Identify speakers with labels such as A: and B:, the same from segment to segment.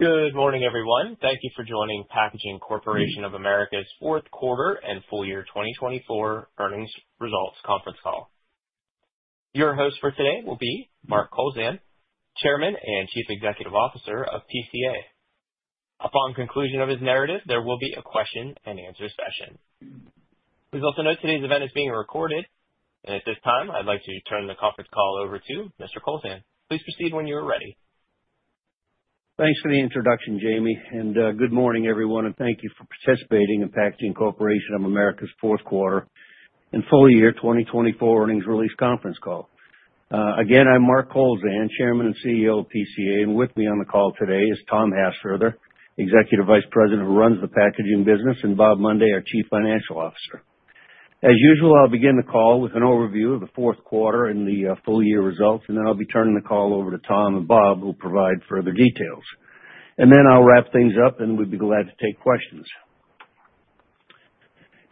A: Good morning, everyone. Thank you for joining Packaging Corporation of America's fourth quarter and full year 2024 earnings results conference call. Your host for today will be Mark Kowlzan, Chairman and Chief Executive Officer of PCA. Upon conclusion of his narrative, there will be a question-and-answer session. Please also note today's event is being recorded, and at this time, I'd like to turn the conference call over to Mr. Kowlzan. Please proceed when you are ready.
B: Thanks for the introduction, Jamie, and good morning, everyone. And thank you for participating in Packaging Corporation of America's fourth quarter and full year 2024 earnings release conference call. Again, I'm Mark Kowlzan, Chairman and CEO of PCA, and with me on the call today is Tom Hassfurther, Executive Vice President, who runs the packaging business, and Bob Mundy, our Chief Financial Officer. As usual, I'll begin the call with an overview of the fourth quarter and the full year results, and then I'll be turning the call over to Tom and Bob, who will provide further details. And then I'll wrap things up, and we'd be glad to take questions.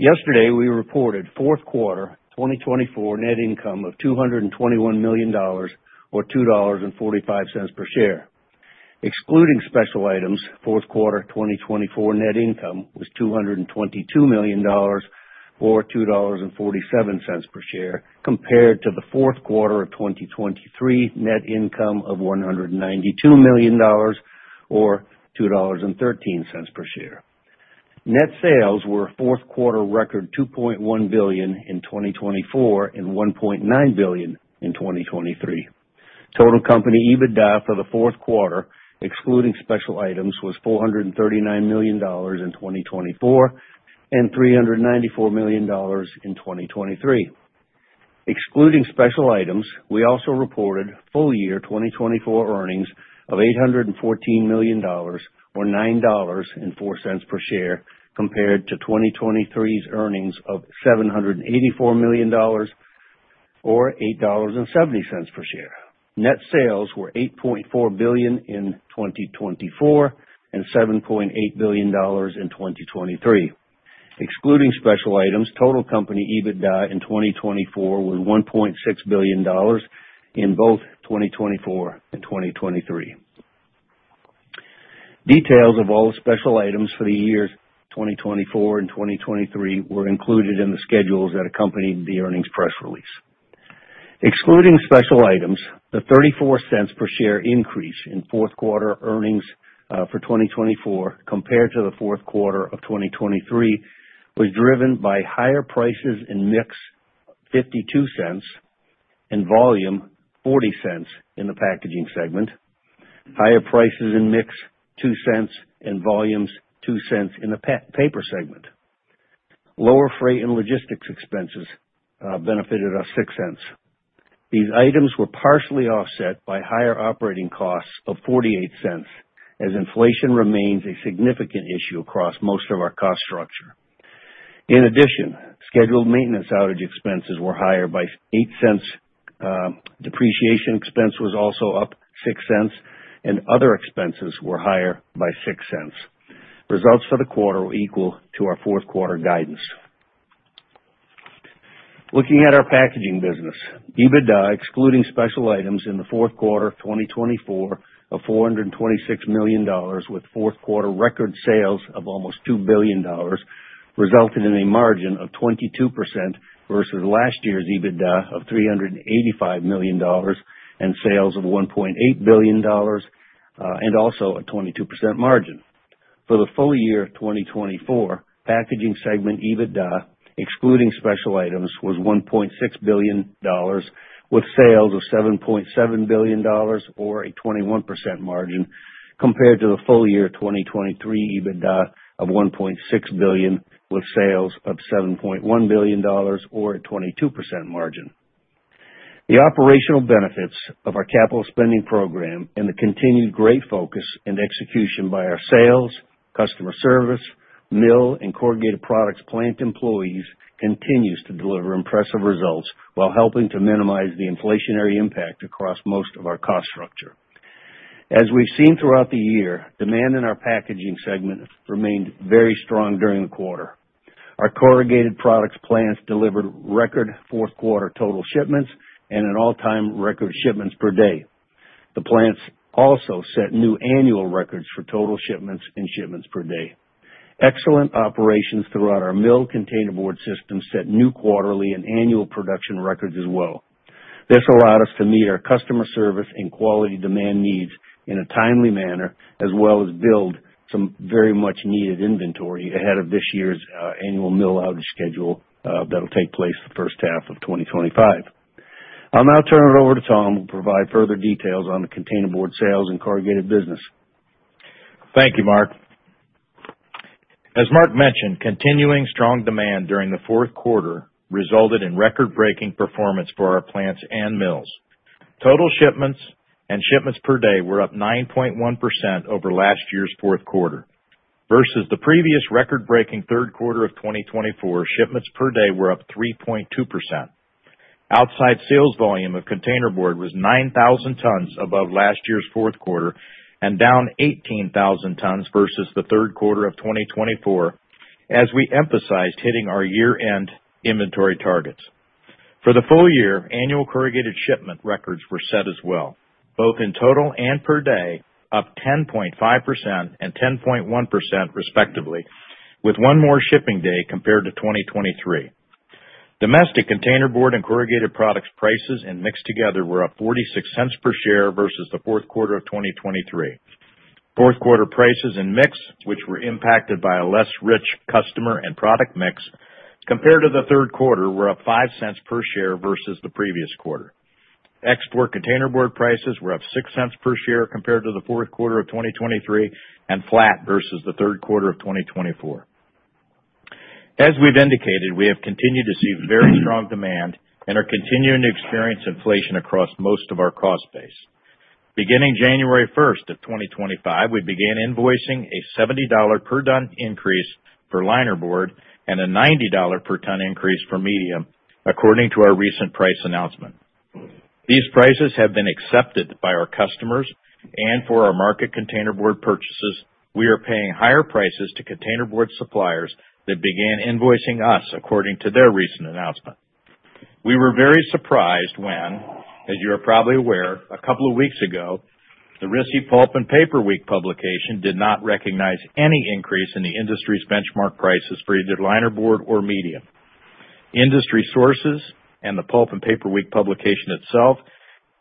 B: Yesterday, we reported fourth quarter 2024 net income of $221 million, or $2.45 per share. Excluding special items, fourth quarter 2024 net income was $222 million, or $2.47 per share, compared to the fourth quarter of 2023 net income of $192 million, or $2.13 per share. Net sales were fourth quarter record $2.1 billion in 2024 and $1.9 billion in 2023. Total company EBITDA for the fourth quarter, excluding special items, was $439 million in 2024 and $394 million in 2023. Excluding special items, we also reported full year 2024 earnings of $814 million, or $9.04 per share, compared to 2023's earnings of $784 million, or $8.70 per share. Net sales were $8.4 billion in 2024 and $7.8 billion in 2023. Excluding special items, total company EBITDA in 2024 was $1.6 billion in both 2024 and 2023. Details of all special items for the years 2024 and 2023 were included in the schedules that accompanied the earnings press release. Excluding special items, the $0.34 per share increase in fourth quarter earnings for 2024, compared to the fourth quarter of 2023, was driven by higher prices and mix $0.52 and volume $0.40 in the packaging segment, higher prices and mix $0.02 and volumes $0.02 in the paper segment. Lower freight and logistics expenses benefited us $0.06. These items were partially offset by higher operating costs of $0.48, as inflation remains a significant issue across most of our cost structure. In addition, scheduled maintenance outage expenses were higher by $0.08, depreciation expense was also up $0.06, and other expenses were higher by $0.06. Results for the quarter were equal to our fourth quarter guidance. Looking at our packaging business, EBITDA, excluding special items in the fourth quarter of 2024, of $426 million, with fourth quarter record sales of almost $2 billion, resulted in a margin of 22% versus last year's EBITDA of $385 million and sales of $1.8 billion, and also a 22% margin. For the full year 2024, packaging segment EBITDA, excluding special items, was $1.6 billion, with sales of $7.7 billion, or a 21% margin, compared to the full year 2023 EBITDA of $1.6 billion, with sales of $7.1 billion, or a 22% margin. The operational benefits of our capital spending program and the continued great focus and execution by our sales, customer service, mill, and corrugated products plant employees continues to deliver impressive results while helping to minimize the inflationary impact across most of our cost structure. As we've seen throughout the year, demand in our packaging segment remained very strong during the quarter. Our corrugated products plants delivered record fourth quarter total shipments and an all-time record shipments per day. The plants also set new annual records for total shipments and shipments per day. Excellent operations throughout our mill containerboard system set new quarterly and annual production records as well. This allowed us to meet our customer service and quality demand needs in a timely manner, as well as build some very much needed inventory ahead of this year's annual mill outage schedule that'll take place the first half of 2025. I'll now turn it over to Tom, who will provide further details on the containerboard sales and corrugated business.
C: Thank you, Mark. As Mark mentioned, continuing strong demand during the fourth quarter resulted in record-breaking performance for our plants and mills. Total shipments and shipments per day were up 9.1% over last year's fourth quarter. Versus the previous record-breaking third quarter of 2024, shipments per day were up 3.2%. Outside sales volume of containerboard was 9,000 tons above last year's fourth quarter and down 18,000 tons versus the third quarter of 2024, as we emphasized hitting our year-end inventory targets. For the full year, annual corrugated shipment records were set as well, both in total and per day, up 10.5% and 10.1%, respectively, with one more shipping day compared to 2023. Domestic containerboard and corrugated products prices and mix together were up 46 cents per MSF versus the fourth quarter of 2023. Fourth quarter prices and mix, which were impacted by a less rich customer and product mix, compared to the third quarter, were up 5 cents per share versus the previous quarter. Export containerboard prices were up 6 cents per share compared to the fourth quarter of 2023 and flat versus the third quarter of 2024. As we've indicated, we have continued to see very strong demand and are continuing to experience inflation across most of our cost base. Beginning January 1st of 2025, we began invoicing a $70 per ton increase for linerboard and a $90 per ton increase for medium, according to our recent price announcement. These prices have been accepted by our customers, and for our market containerboard purchases, we are paying higher prices to containerboard suppliers that began invoicing us, according to their recent announcement. We were very surprised when, as you are probably aware, a couple of weeks ago, the RISI Pulp & Paper Week publication did not recognize any increase in the industry's benchmark prices for either linerboard or medium. Industry sources and the Pulp & Paper Week publication itself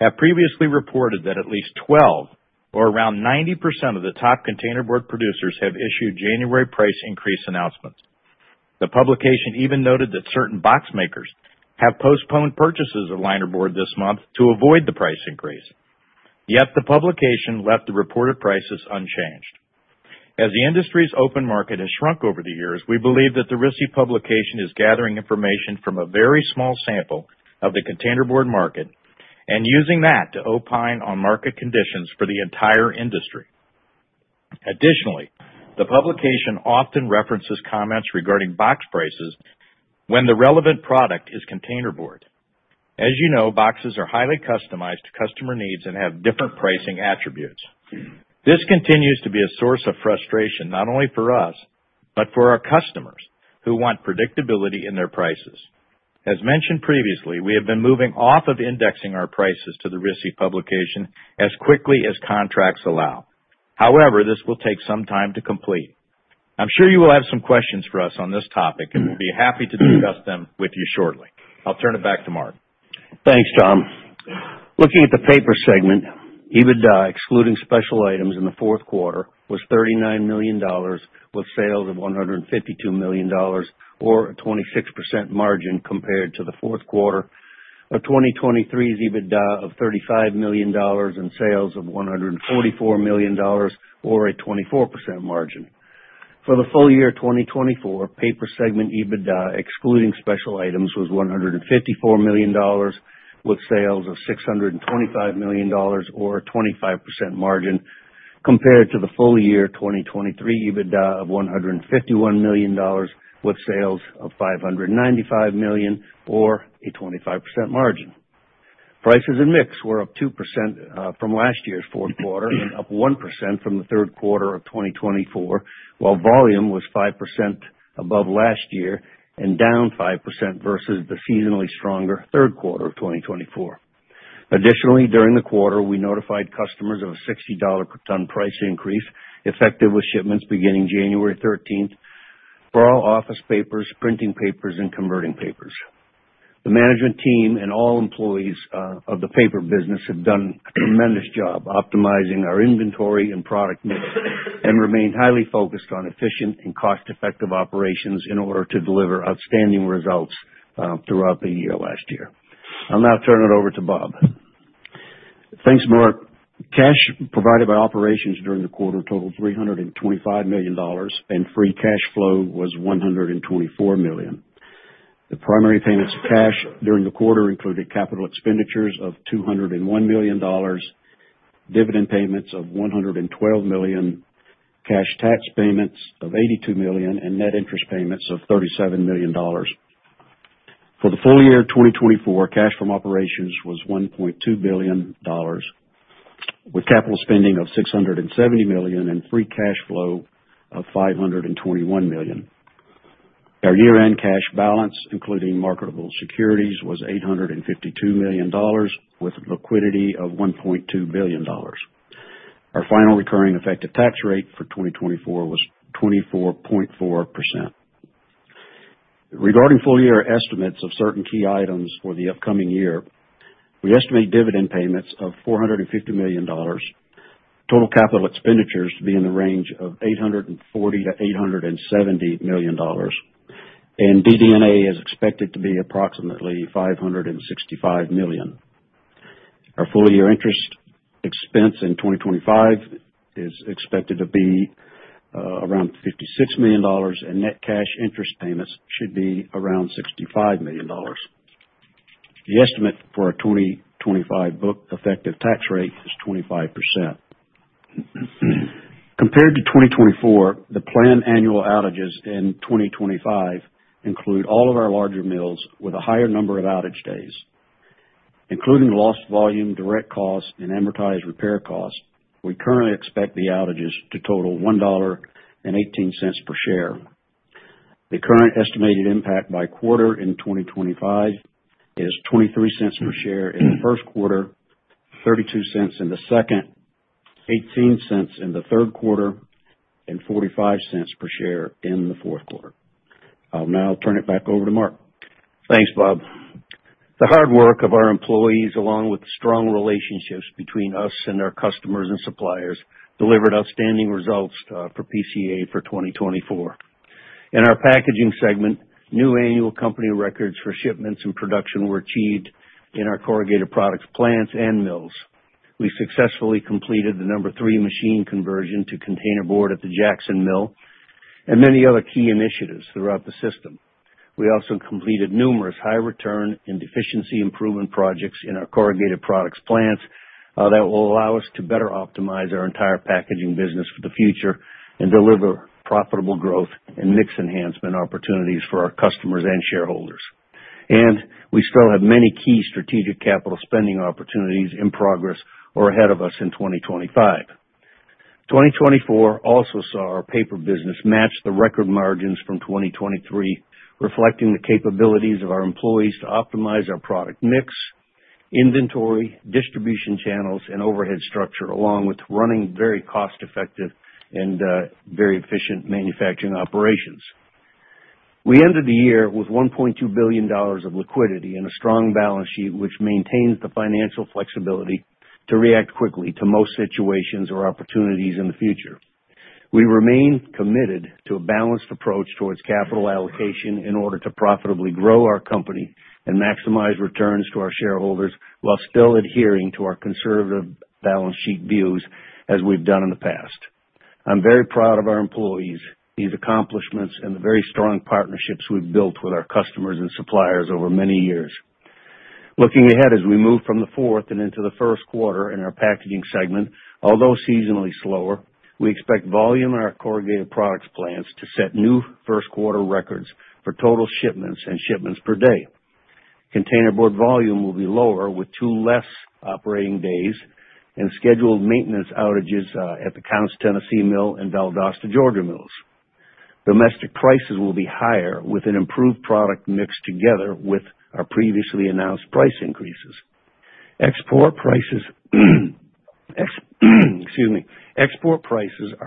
C: have previously reported that at least 12, or around 90%, of the top containerboard producers have issued January price increase announcements. The publication even noted that certain box makers have postponed purchases of linerboard this month to avoid the price increase. Yet the publication left the reported prices unchanged. As the industry's open market has shrunk over the years, we believe that the RISI publication is gathering information from a very small sample of the containerboard market and using that to opine on market conditions for the entire industry. Additionally, the publication often references comments regarding box prices when the relevant product is containerboard. As you know, boxes are highly customized to customer needs and have different pricing attributes. This continues to be a source of frustration not only for us, but for our customers who want predictability in their prices. As mentioned previously, we have been moving off of indexing our prices to the RISI publication as quickly as contracts allow. However, this will take some time to complete. I'm sure you will have some questions for us on this topic, and we'll be happy to discuss them with you shortly. I'll turn it back to Mark.
B: Thanks, Tom. Looking at the paper segment, EBITDA, excluding special items in the fourth quarter, was $39 million, with sales of $152 million, or a 26% margin compared to the fourth quarter of 2023's EBITDA of $35 million and sales of $144 million, or a 24% margin. For the full year 2024, paper segment EBITDA, excluding special items, was $154 million, with sales of $625 million, or a 25% margin, compared to the full year 2023 EBITDA of $151 million, with sales of $595 million, or a 25% margin. Prices and mix were up 2% from last year's fourth quarter and up 1% from the third quarter of 2024, while volume was 5% above last year and down 5% versus the seasonally stronger third quarter of 2024. Additionally, during the quarter, we notified customers of a $60 per ton price increase effective with shipments beginning January 13th for all office papers, printing papers, and converting papers. The management team and all employees of the paper business have done a tremendous job optimizing our inventory and product mix and remained highly focused on efficient and cost-effective operations in order to deliver outstanding results throughout the year last year. I'll now turn it over to Bob.
D: Thanks, Mark. Cash provided by operations during the quarter totaled $325 million, and free cash flow was $124 million. The primary payments of cash during the quarter included capital expenditures of $201 million, dividend payments of $112 million, cash tax payments of $82 million, and net interest payments of $37 million. For the full year 2024, cash from operations was $1.2 billion, with capital spending of $670 million and free cash flow of $521 million. Our year-end cash balance, including marketable securities, was $852 million, with liquidity of $1.2 billion. Our final recurring effective tax rate for 2024 was 24.4%. Regarding full year estimates of certain key items for the upcoming year, we estimate dividend payments of $450 million, total capital expenditures to be in the range of $840-$870 million, and DD&A is expected to be approximately $565 million. Our full year interest expense in 2025 is expected to be around $56 million, and net cash interest payments should be around $65 million. The estimate for our 2025 book effective tax rate is 25%. Compared to 2024, the planned annual outages in 2025 include all of our larger mills with a higher number of outage days. Including lost volume, direct costs, and amortized repair costs, we currently expect the outages to total $1.18 per share. The current estimated impact by quarter in 2025 is $0.23 per share in the first quarter, $0.32 in the second, $0.18 in the third quarter, and $0.45 per share in the fourth quarter. I'll now turn it back over to Mark.
B: Thanks, Bob. The hard work of our employees, along with strong relationships between us and our customers and suppliers, delivered outstanding results for PCA for 2024. In our packaging segment, new annual company records for shipments and production were achieved in our corrugated products plants and mills. We successfully completed the number three machine conversion to containerboard at the Jackson Mill and many other key initiatives throughout the system. We also completed numerous high return and efficiency improvement projects in our corrugated products plants that will allow us to better optimize our entire packaging business for the future and deliver profitable growth and mix enhancement opportunities for our customers and shareholders. We still have many key strategic capital spending opportunities in progress or ahead of us in 2025. 2024 also saw our paper business match the record margins from 2023, reflecting the capabilities of our employees to optimize our product mix, inventory, distribution channels, and overhead structure, along with running very cost-effective and very efficient manufacturing operations. We ended the year with $1.2 billion of liquidity and a strong balance sheet, which maintains the financial flexibility to react quickly to most situations or opportunities in the future. We remain committed to a balanced approach towards capital allocation in order to profitably grow our company and maximize returns to our shareholders while still adhering to our conservative balance sheet views, as we've done in the past. I'm very proud of our employees, these accomplishments, and the very strong partnerships we've built with our customers and suppliers over many years. Looking ahead as we move from the fourth and into the first quarter in our packaging segment, although seasonally slower, we expect volume in our corrugated products plants to set new first quarter records for total shipments and shipments per day. Containerboard volume will be lower with two less operating days and scheduled maintenance outages at the Counce, Tennessee mill and Valdosta, Georgia mills. Domestic prices will be higher with an improved product mix together with our previously announced price increases. Export prices are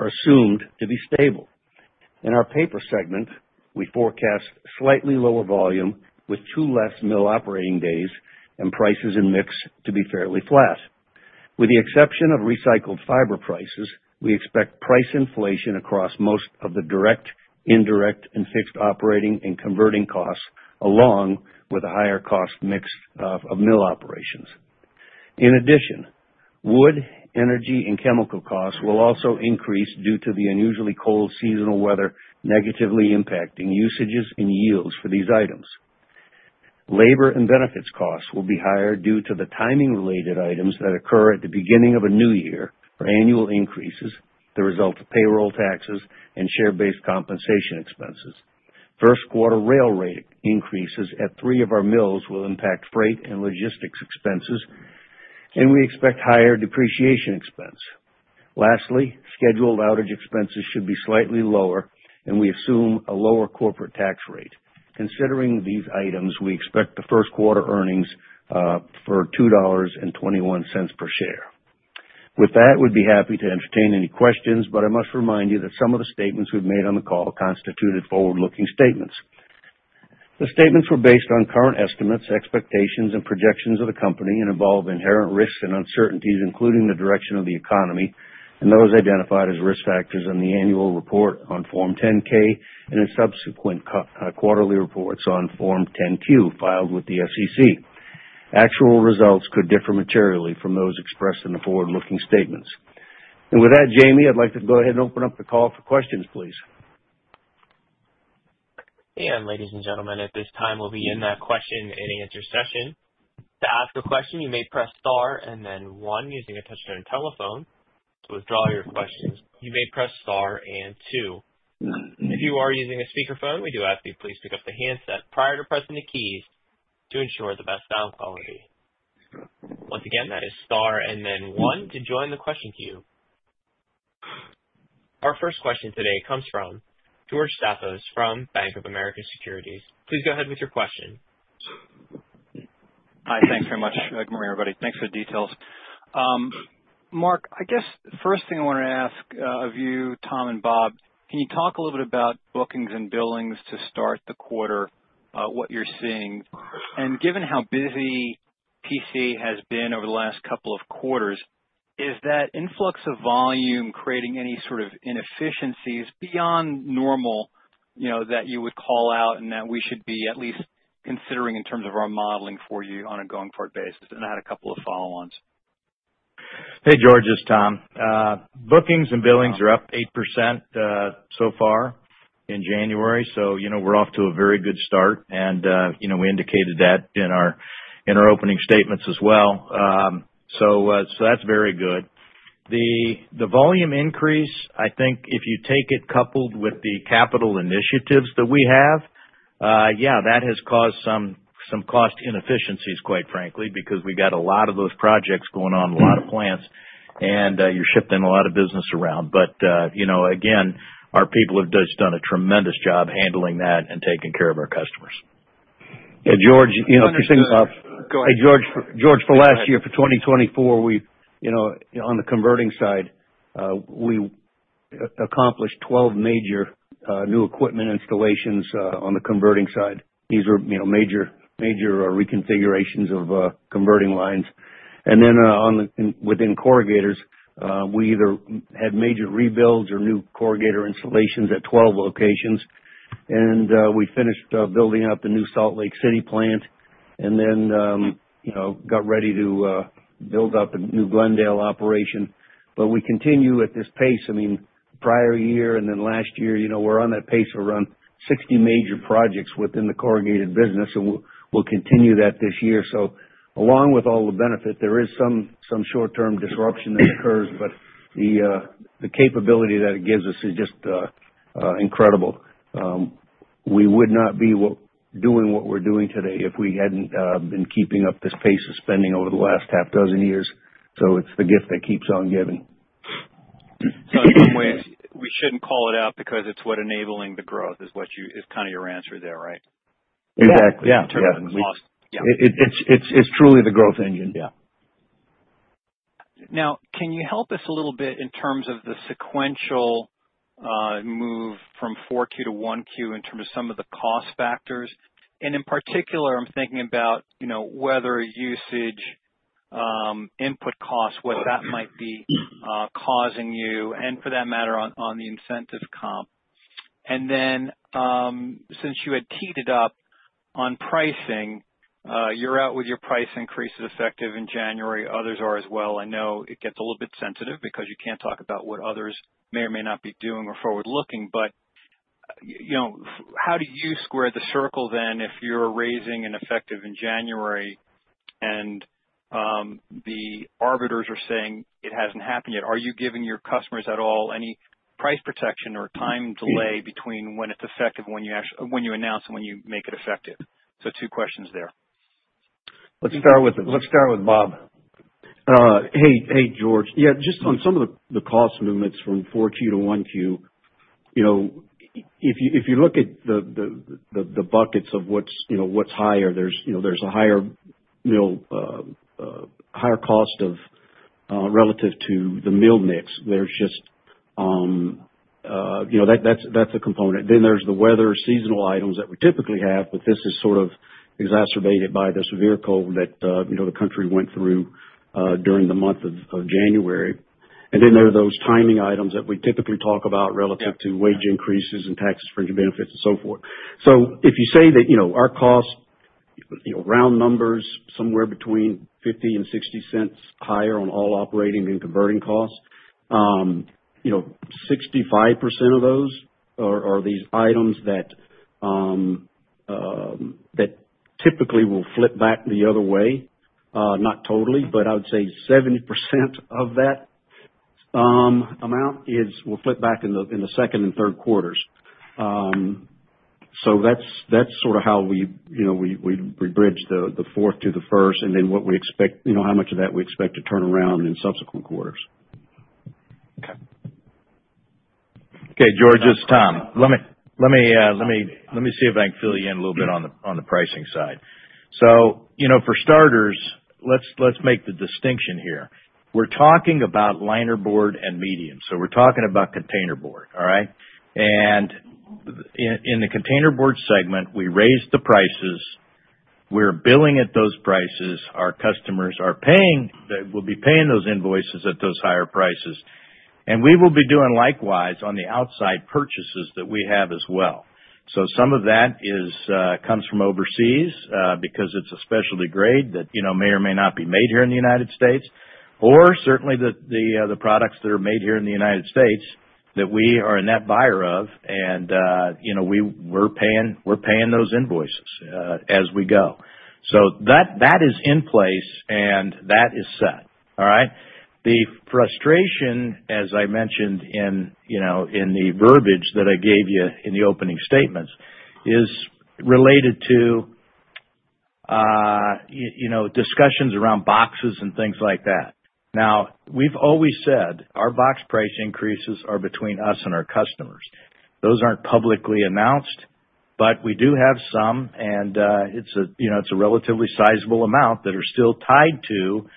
B: assumed to be stable. In our paper segment, we forecast slightly lower volume with two less mill operating days and prices and mix to be fairly flat. With the exception of recycled fiber prices, we expect price inflation across most of the direct, indirect, and fixed operating and converting costs, along with a higher cost mix of mill operations. In addition, wood, energy, and chemical costs will also increase due to the unusually cold seasonal weather negatively impacting usages and yields for these items. Labor and benefits costs will be higher due to the timing-related items that occur at the beginning of a new year for annual increases that result in payroll taxes and share-based compensation expenses. First quarter rail rate increases at three of our mills will impact freight and logistics expenses, and we expect higher depreciation expense. Lastly, scheduled outage expenses should be slightly lower, and we assume a lower corporate tax rate. Considering these items, we expect the first quarter earnings for $2.21 per share. With that, we'd be happy to entertain any questions, but I must remind you that some of the statements we've made on the call constituted forward-looking statements. The statements were based on current estimates, expectations, and projections of the company and involve inherent risks and uncertainties, including the direction of the economy and those identified as risk factors in the annual report on Form 10-K and in subsequent quarterly reports on Form 10-Q filed with the SEC. Actual results could differ materially from those expressed in the forward-looking statements, and with that, Jamie, I'd like to go ahead and open up the call for questions, please.
A: Ladies and gentlemen, at this time, we'll begin the question and answer session. To ask a question, you may press star and then one using a touch-tone telephone. To withdraw your question, you may press star and two. If you are using a speakerphone, we do ask that you please pick up the handset prior to pressing the keys to ensure the best sound quality. Once again, that is star and then one to join the question queue. Our first question today comes from George Staphos from Bank of America Securities. Please go ahead with your question.
E: Hi, thanks very much. Good morning, everybody. Thanks for the details. Mark, I guess the first thing I wanted to ask of you, Tom and Bob, can you talk a little bit about bookings and billings to start the quarter, what you're seeing? And given how busy PCA has been over the last couple of quarters, is that influx of volume creating any sort of inefficiencies beyond normal that you would call out and that we should be at least considering in terms of our modeling for you on a going forward basis? And I had a couple of follow-ons.
C: Hey, George, it's Tom. Bookings and billings are up 8% so far in January, so we're off to a very good start. And we indicated that in our opening statements as well. So that's very good. The volume increase, I think if you take it coupled with the capital initiatives that we have, yeah, that has caused some cost inefficiencies, quite frankly, because we've got a lot of those projects going on, a lot of plants, and you're shifting a lot of business around. But again, our people have just done a tremendous job handling that and taking care of our customers.
B: And George, if you think about. Hey, George. Hey, George. George, for last year, for 2024, on the converting side, we accomplished 12 major new equipment installations on the converting side. These were major reconfigurations of converting lines. And then within corrugators, we either had major rebuilds or new corrugator installations at 12 locations. And we finished building up the new Salt Lake City plant and then got ready to build up a new Glendale operation. But we continue at this pace. I mean, prior year and then last year, we're on that pace of around 60 major projects within the corrugated business, and we'll continue that this year. So along with all the benefits, there is some short-term disruption that occurs, but the capability that it gives us is just incredible. We would not be doing what we're doing today if we hadn't been keeping up this pace of spending over the last half dozen years. So it's the gift that keeps on giving.
E: So in some ways, we shouldn't call it out because it's what enabling the growth is kind of your answer there, right?
B: Exactly. Yeah. In terms of cost.
C: It's truly the growth engine. Yeah.
E: Now, can you help us a little bit in terms of the sequential move from 4Q to 1Q in terms of some of the cost factors? And in particular, I'm thinking about weather, usage, input costs, what that might be causing you, and for that matter, on the incentive comp. And then since you had teed it up on pricing, you're out with your price increases effective in January. Others are as well. I know it gets a little bit sensitive because you can't talk about what others may or may not be doing or forward-looking, but how do you square the circle then if you're raising prices effective in January and the arbiters are saying it hasn't happened yet? Are you giving your customers at all any price protection or time delay between when it's effective, when you announce, and when you make it effective? So two questions there.
B: Let's start with Bob.
D: Hey, George. Yeah, just on some of the cost movements from 4Q to 1Q, if you look at the buckets of what's higher, there's a higher cost relative to the mill mix. There's just that's a component. Then there's the weather seasonal items that we typically have, but this is sort of exacerbated by the severe cold that the country went through during the month of January. Then there are those timing items that we typically talk about relative to wage increases and tax and expense benefits and so forth. So if you say that our cost, round numbers, somewhere between $0.50 and $0.60 higher on all operating and converting costs, 65% of those are these items that typically will flip back the other way. Not totally, but I would say 70% of that amount will flip back in the second and third quarters. So that's sort of how we bridge the fourth to the first and then what we expect, how much of that we expect to turn around in subsequent quarters.
E: Okay.
C: Okay, George, it's Tom. Let me see if I can fill you in a little bit on the pricing side. So for starters, let's make the distinction here. We're talking about linerboard and medium. So we're talking about containerboard, all right? And in the containerboard segment, we raised the prices. We're billing at those prices. Our customers will be paying those invoices at those higher prices. And we will be doing likewise on the outside purchases that we have as well. So some of that comes from overseas because it's a specialty grade that may or may not be made here in the United States, or certainly the products that are made here in the United States that we are a net buyer of, and we're paying those invoices as we go. So that is in place, and that is set, all right? The frustration, as I mentioned in the verbiage that I gave you in the opening statements, is related to discussions around boxes and things like that. Now, we've always said our box price increases are between us and our customers. Those aren't publicly announced, but we do have some, and it's a relatively sizable amount that are still tied to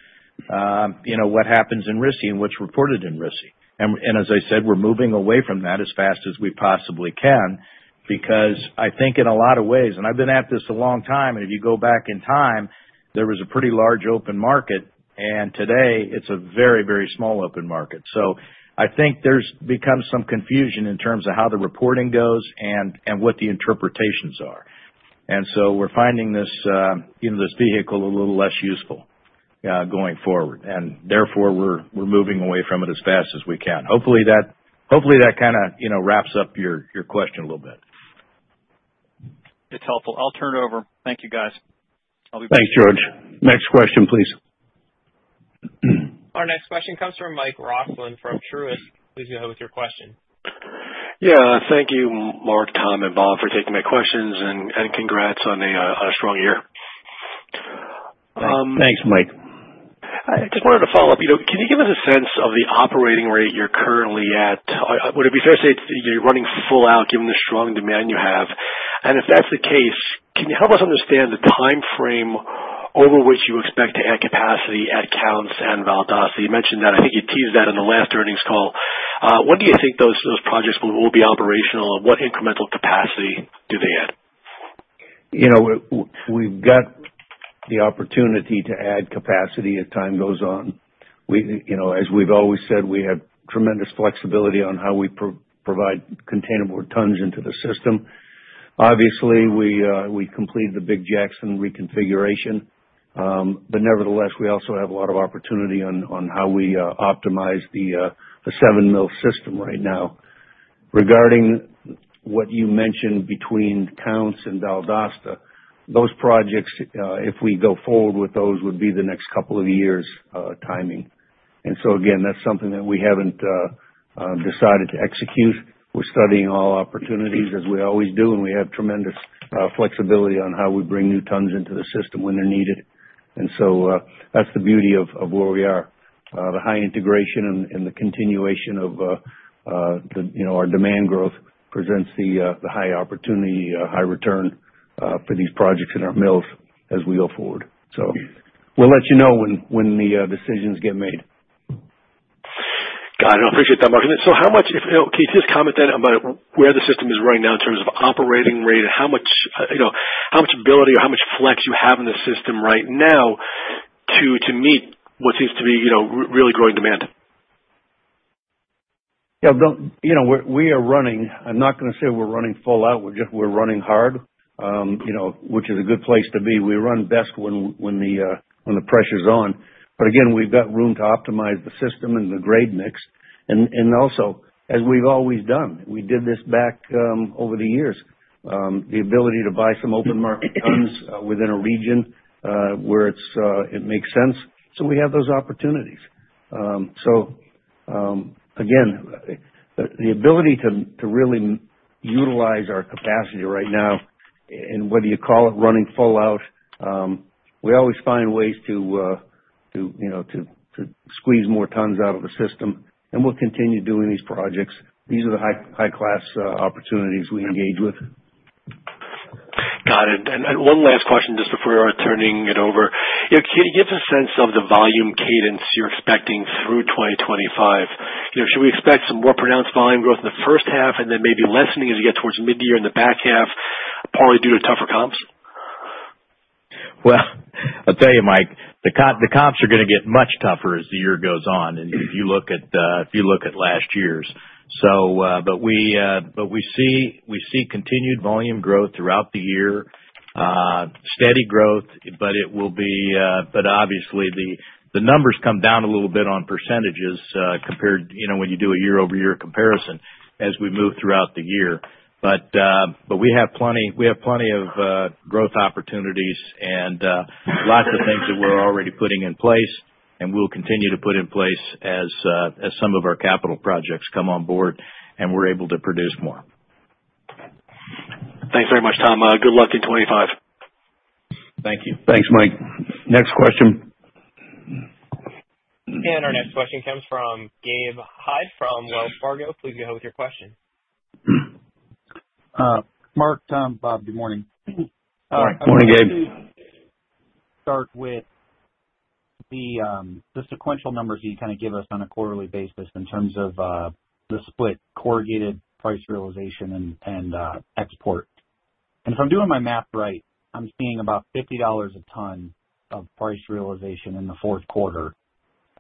C: what happens in RISI and what's reported in RISI. And as I said, we're moving away from that as fast as we possibly can because I think in a lot of ways, and I've been at this a long time, and if you go back in time, there was a pretty large open market, and today it's a very, very small open market. So I think there's become some confusion in terms of how the reporting goes and what the interpretations are. So we're finding this vehicle a little less useful going forward, and therefore we're moving away from it as fast as we can. Hopefully, that kind of wraps up your question a little bit.
E: It's helpful. I'll turn it over. Thank you, guys. I'll be back.
B: Thanks, George. Next question, please.
A: Our next question comes from Michael Roxland from Truist. Please go ahead with your question.
F: Yeah. Thank you, Mark, Tom, and Bob, for taking my questions, and congrats on a strong year.
B: Thanks, Mike.
F: I just wanted to follow up. Can you give us a sense of the operating rate you're currently at? Would it be fair to say you're running full out given the strong demand you have? And if that's the case, can you help us understand the timeframe over which you expect to add capacity at Counce and Valdosta? You mentioned that. I think you teased that in the last earnings call. When do you think those projects will be operational, and what incremental capacity do they add?
C: We've got the opportunity to add capacity as time goes on. As we've always said, we have tremendous flexibility on how we provide containerboard tons into the system. Obviously, we completed the big Jackson reconfiguration, but nevertheless, we also have a lot of opportunity on how we optimize the seven-mill system right now. Regarding what you mentioned between Counce and Valdosta, those projects, if we go forward with those, would be the next couple of years' timing, and so again, that's something that we haven't decided to execute. We're studying all opportunities, as we always do, and we have tremendous flexibility on how we bring new tons into the system when they're needed, and so that's the beauty of where we are. The high integration and the continuation of our demand growth presents the high opportunity, high return for these projects in our mills as we go forward. So we'll let you know when the decisions get made.
F: Got it. I appreciate that, Mark. So how much, if at all, can you just comment then about where the system is right now in terms of operating rate and how much ability or how much flex you have in the system right now to meet what seems to be really growing demand?
B: Yeah. We are running. I'm not going to say we're running full out. We're just. We're running hard, which is a good place to be. We run best when the pressure's on. But again, we've got room to optimize the system and the grade mix. And also, as we've always done, we did this back over the years, the ability to buy some open market tons within a region where it makes sense. So we have those opportunities. So again, the ability to really utilize our capacity right now and whether you call it running full out, we always find ways to squeeze more tons out of the system. And we'll continue doing these projects. These are the high-class opportunities we engage with.
F: Got it. And one last question just before I'm turning it over. Can you give a sense of the volume cadence you're expecting through 2025? Should we expect some more pronounced volume growth in the first half and then maybe lessening as you get towards midyear in the back half, partly due to tougher comps?
C: I'll tell you, Mike, the comps are going to get much tougher as the year goes on if you look at last year's. But we see continued volume growth throughout the year, steady growth, but obviously, the numbers come down a little bit on percentages compared when you do a year-over-year comparison as we move throughout the year. But we have plenty of growth opportunities and lots of things that we're already putting in place and will continue to put in place as some of our capital projects come on board and we're able to produce more.
F: Thanks very much, Tom. Good luck in 2025.
B: Thank you. Thanks, Mike. Next question.
A: Our next question comes from Gabe Hajde from Wells Fargo. Please go ahead with your question.
G: Mark, Tom, Bob Mundy, good morning.
B: Good morning, Gabe.
G: Start with the sequential numbers that you kind of give us on a quarterly basis in terms of the split corrugated price realization and export. And if I'm doing my math right, I'm seeing about $50 a ton of price realization in the fourth quarter,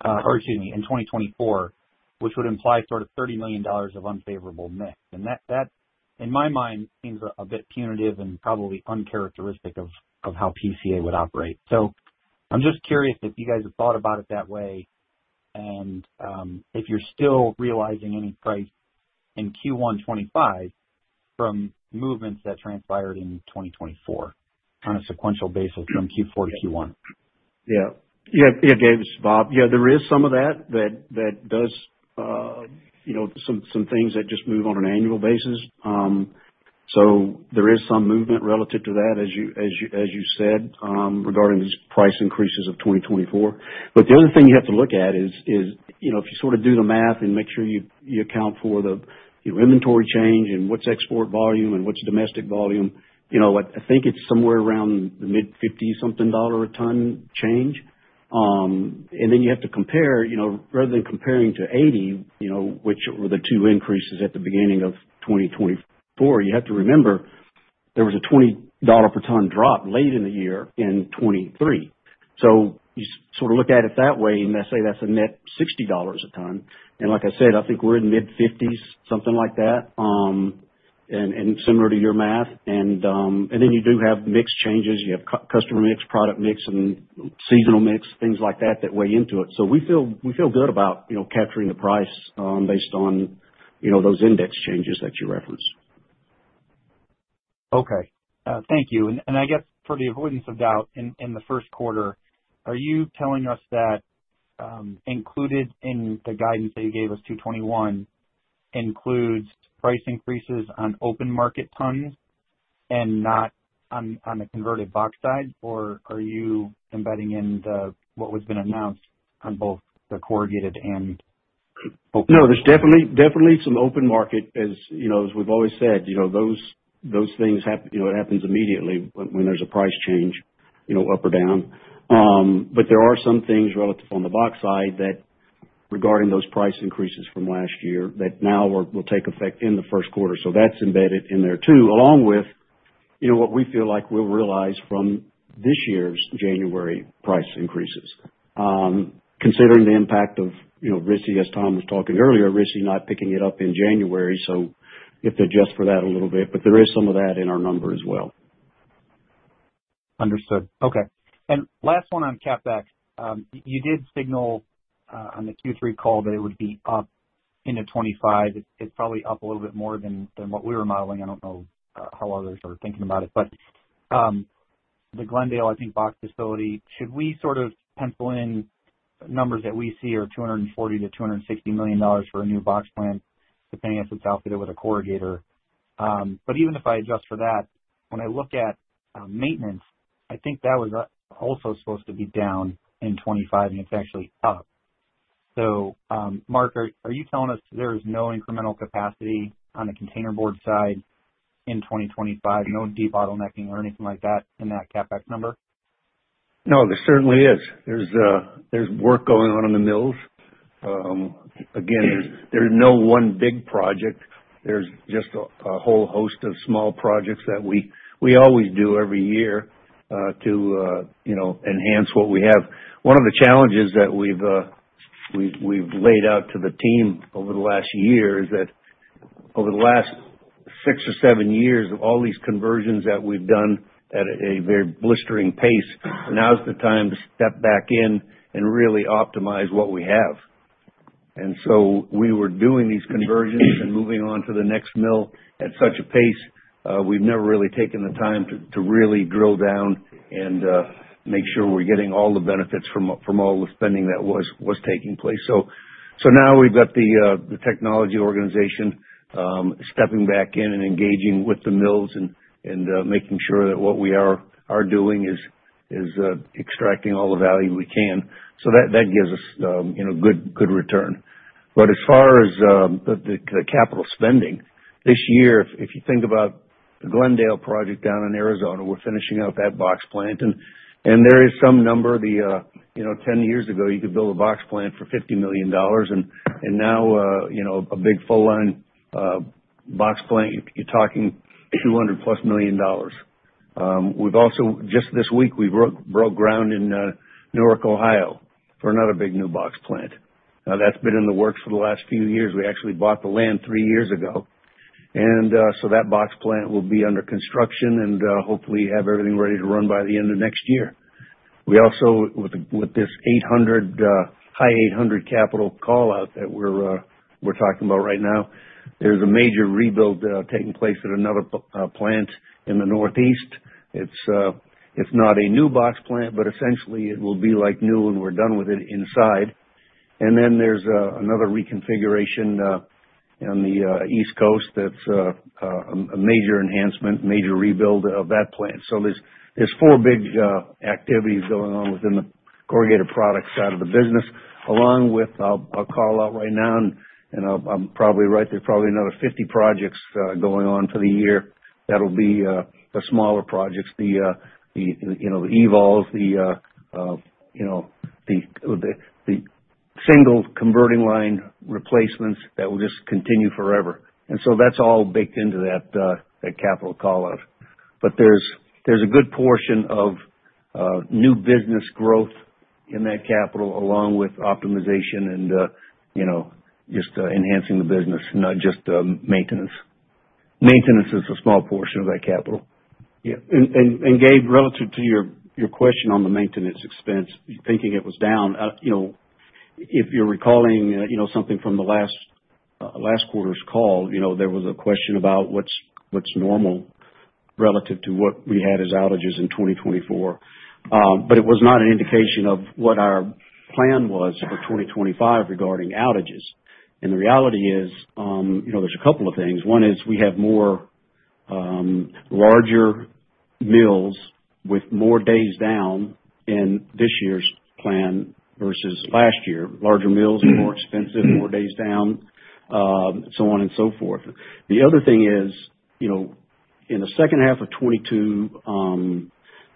G: or excuse me, in 2024, which would imply sort of $30 million of unfavorable mix. And that, in my mind, seems a bit punitive and probably uncharacteristic of how PCA would operate. So I'm just curious if you guys have thought about it that way and if you're still realizing any price in Q1 2025 from movements that transpired in 2024 on a sequential basis from Q4 to Q1.
D: Yeah. Yeah, Gabe, This Bob. Yeah, there is some of that that does some things that just move on an annual basis. So there is some movement relative to that, as you said, regarding these price increases of 2024. But the other thing you have to look at is if you sort of do the math and make sure you account for the inventory change and what's export volume and what's domestic volume, I think it's somewhere around the mid-50-something dollar a ton change. And then you have to compare, rather than comparing to '80, which were the two increases at the beginning of 2024, you have to remember there was a $20 per ton drop late in the year in 2023. So you sort of look at it that way, and let's say that's a net $60 a ton. And like I said, I think we're in mid-50s, something like that, and similar to your math. And then you do have mix changes. You have customer mix, product mix, and seasonal mix, things like that that weigh into it. So we feel good about capturing the price based on those index changes that you referenced.
G: Okay. Thank you. And I guess for the avoidance of doubt, in the first quarter, are you telling us that included in the guidance that you gave us, 221, includes price increases on open market tons and not on the converted box side, or are you embedding in what was been announced on both the corrugated and open market?
C: No, there's definitely some open market, as we've always said. Those things happen, it happens immediately when there's a price change up or down. But there are some things relative on the box side regarding those price increases from last year that now will take effect in the first quarter. So that's embedded in there too, along with what we feel like we'll realize from this year's January price increases, considering the impact of RISI, as Tom was talking earlier, RISI not picking it up in January. So you have to adjust for that a little bit. But there is some of that in our number as well.
G: Understood. Okay. And last one on CapEx. You did signal on the Q3 call that it would be up into 2025. It's probably up a little bit more than what we were modeling. I don't know how others are thinking about it. But the Glendale, I think, box facility, should we sort of pencil in numbers that we see are $240-$260 million for a new box plant, depending if it's outfitted with a corrugator? But even if I adjust for that, when I look at maintenance, I think that was also supposed to be down in 2025, and it's actually up. So Mark, are you telling us there is no incremental capacity on the container board side in 2025, no debottlenecking or anything like that in that CapEx number?
C: No, there certainly is. There's work going on in the mills. Again, there's no one big project. There's just a whole host of small projects that we always do every year to enhance what we have. One of the challenges that we've laid out to the team over the last year is that over the last six or seven years of all these conversions that we've done at a very blistering pace, now's the time to step back in and really optimize what we have. And so we were doing these conversions and moving on to the next mill at such a pace, we've never really taken the time to really drill down and make sure we're getting all the benefits from all the spending that was taking place. So now we've got the technology organization stepping back in and engaging with the mills and making sure that what we are doing is extracting all the value we can. So that gives us a good return. But as far as the capital spending, this year, if you think about the Glendale project down in Arizona, we're finishing up that box plant. And there is some number. Ten years ago, you could build a box plant for $50 million, and now a big full-on box plant, you're talking $200-plus million. Just this week, we broke ground in Newark, Ohio, for another big new box plant. That's been in the works for the last few years. We actually bought the land three years ago. And so that box plant will be under construction and hopefully have everything ready to run by the end of next year. We also, with this high 800 capital callout that we're talking about right now, there's a major rebuild taking place at another plant in the northeast. It's not a new box plant, but essentially it will be like new when we're done with it inside, and then there's another reconfiguration on the East Coast that's a major enhancement, major rebuild of that plant, so there's four big activities going on within the corrugated product side of the business, along with I'll call out right now, and I'm probably right, there's probably another 50 projects going on for the year that'll be the smaller projects, the evals, the single converting line replacements that will just continue forever, and so that's all baked into that capital callout, but there's a good portion of new business growth in that capital, along with optimization and just enhancing the business, not just maintenance. Maintenance is a small portion of that capital.
B: Yeah. And Gabe, relative to your question on the maintenance expense, thinking it was down, if you're recalling something from the last quarter's call, there was a question about what's normal relative to what we had as outages in 2024. But it was not an indication of what our plan was for 2025 regarding outages. And the reality is there's a couple of things. One is we have larger mills with more days down in this year's plan versus last year. Larger mills, more expensive, more days down, so on and so forth. The other thing is in the second half of 2022,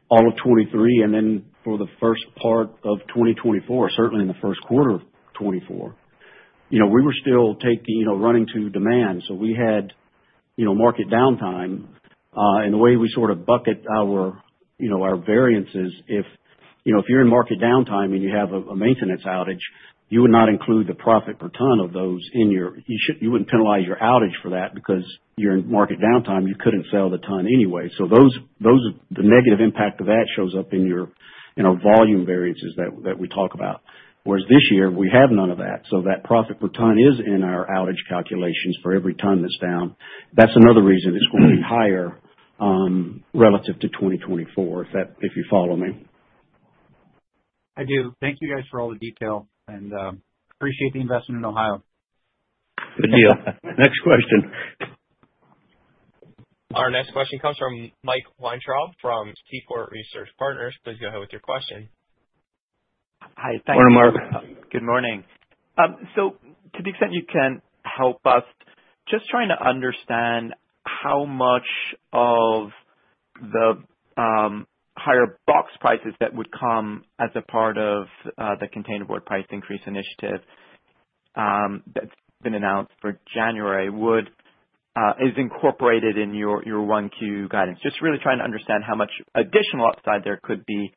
B: all of 2023, and then for the first part of 2024, certainly in the first quarter of 2024, we were still running to demand. So we had market downtime. The way we sort of bucket our variances is if you're in market downtime and you have a maintenance outage, you would not include the profit per ton of those in your. You wouldn't penalize your outage for that because you're in market downtime, you couldn't sell the ton anyway. So the negative impact of that shows up in our volume variances that we talk about. Whereas this year, we have none of that. So that profit per ton is in our outage calculations for every ton that's down. That's another reason it's going to be higher relative to 2024, if you follow me.
G: I do. Thank you guys for all the detail and appreciate the investment in Ohio.
B: Good deal. Next question.
A: Our next question comes from Mark Weintraub from Seaport Research Partners. Please go ahead with your question.
H: Hi. Thanks.
B: Good morning, Mark.
C: Good morning.
H: So, to the extent you can help us, just trying to understand how much of the higher box prices that would come as a part of the containerboard price increase initiative that's been announced for January is incorporated in your 1Q guidance? Just really trying to understand how much additional upside there could be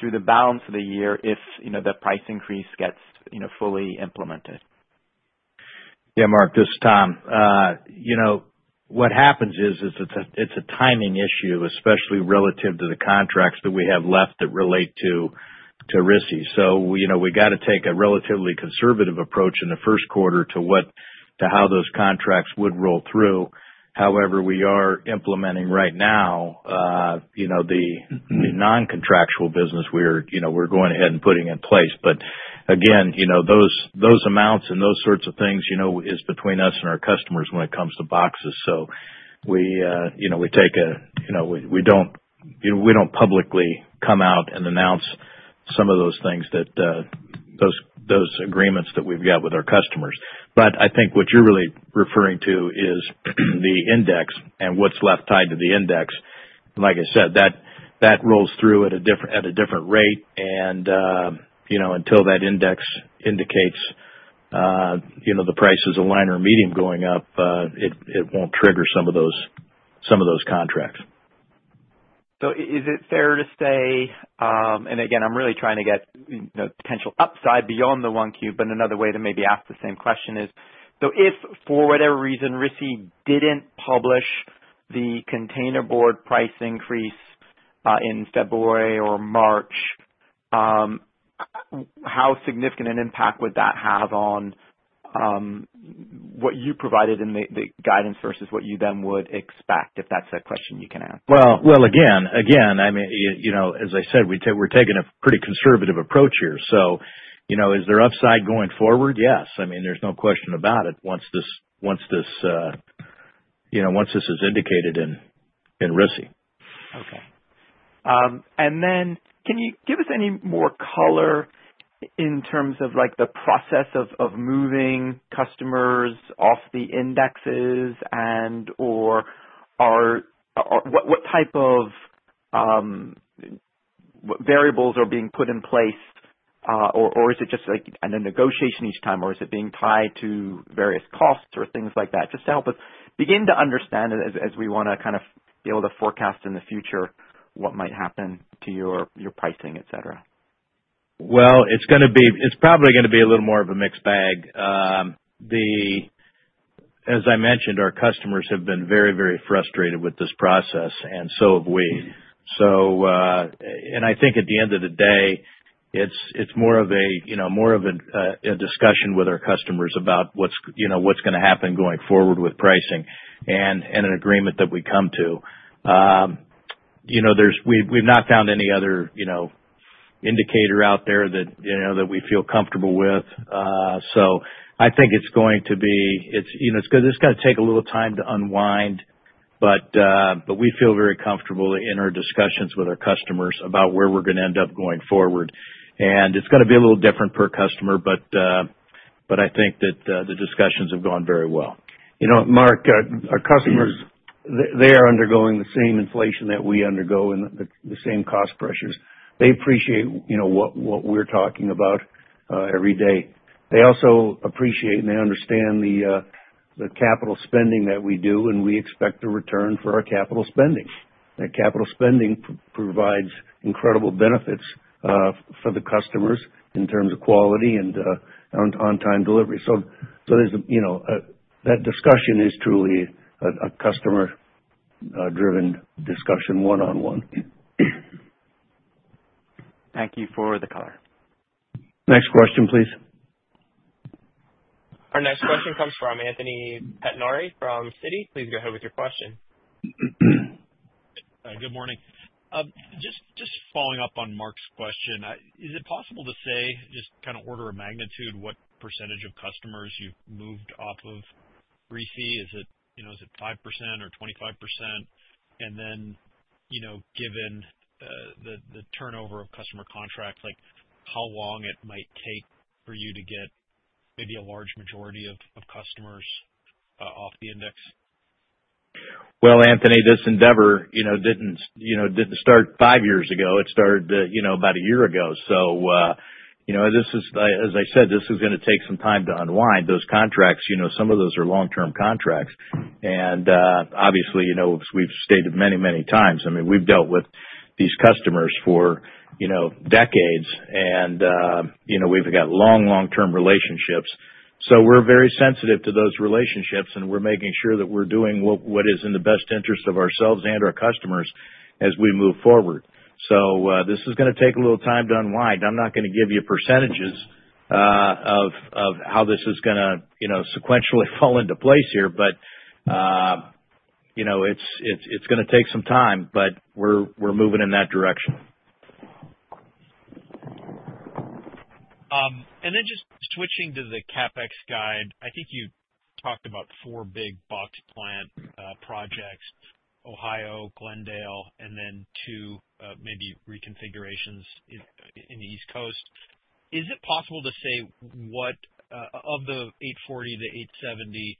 H: through the balance of the year if the price increase gets fully implemented?
C: Yeah, Mark, this is Tom. What happens is it's a timing issue, especially relative to the contracts that we have left that relate to RISI. So we got to take a relatively conservative approach in the first quarter to how those contracts would roll through. However, we are implementing right now the non-contractual business we're going ahead and putting in place. But again, those amounts and those sorts of things is between us and our customers when it comes to boxes. So we take a—we don't publicly come out and announce some of those things, those agreements that we've got with our customers. But I think what you're really referring to is the index and what's left tied to the index. And like I said, that rolls through at a different rate. Until that index indicates the price of liner or medium going up, it won't trigger some of those contracts.
H: So is it fair to say, and again, I'm really trying to get potential upside beyond the Q1, but another way to maybe ask the same question is, so if for whatever reason RISI didn't publish the containerboard price increase in February or March, how significant an impact would that have on what you provided in the guidance versus what you then would expect, if that's a question you can answer?
C: Again, I mean, as I said, we're taking a pretty conservative approach here. Is there upside going forward? Yes. I mean, there's no question about it once this is indicated in RISI.
H: Okay. And then can you give us any more color in terms of the process of moving customers off the indexes and/or what type of variables are being put in place, or is it just a negotiation each time, or is it being tied to various costs or things like that? Just to help us begin to understand it as we want to kind of be able to forecast in the future what might happen to your pricing, etc.
C: It's probably going to be a little more of a mixed bag. As I mentioned, our customers have been very, very frustrated with this process, and so have we. And I think at the end of the day, it's more of a discussion with our customers about what's going to happen going forward with pricing and an agreement that we come to. We've not found any other indicator out there that we feel comfortable with. So I think it's going to be, it's going to take a little time to unwind, but we feel very comfortable in our discussions with our customers about where we're going to end up going forward. And it's going to be a little different per customer, but I think that the discussions have gone very well.
D: Mark, our customers, they are undergoing the same inflation that we undergo and the same cost pressures. They appreciate what we're talking about every day. They also appreciate and they understand the capital spending that we do, and we expect a return for our capital spending. That capital spending provides incredible benefits for the customers in terms of quality and on-time delivery, so that discussion is truly a customer-driven discussion, one-on-one.
H: Thank you for the color.
B: Next question, please.
A: Our next question comes from Anthony Pettinari from Citi. Please go ahead with your question.
I: Good morning. Just following up on Mark's question, is it possible to say, just kind of order of magnitude, what percentage of customers you've moved off of RISI? Is it 5% or 25%? And then given the turnover of customer contracts, how long it might take for you to get maybe a large majority of customers off the index?
B: Anthony, this endeavor didn't start five years ago. It started about a year ago. As I said, this is going to take some time to unwind those contracts. Some of those are long-term contracts. Obviously, we've stated many, many times, I mean, we've dealt with these customers for decades, and we've got long, long-term relationships. We're very sensitive to those relationships, and we're making sure that we're doing what is in the best interest of ourselves and our customers as we move forward. This is going to take a little time to unwind. I'm not going to give you percentages of how this is going to sequentially fall into place here, but it's going to take some time, but we're moving in that direction.
I: And then just switching to the CapEx guide, I think you talked about four big box plant projects: Ohio, Glendale, and then two maybe reconfigurations in the East Coast. Is it possible to say what of the $840-$870,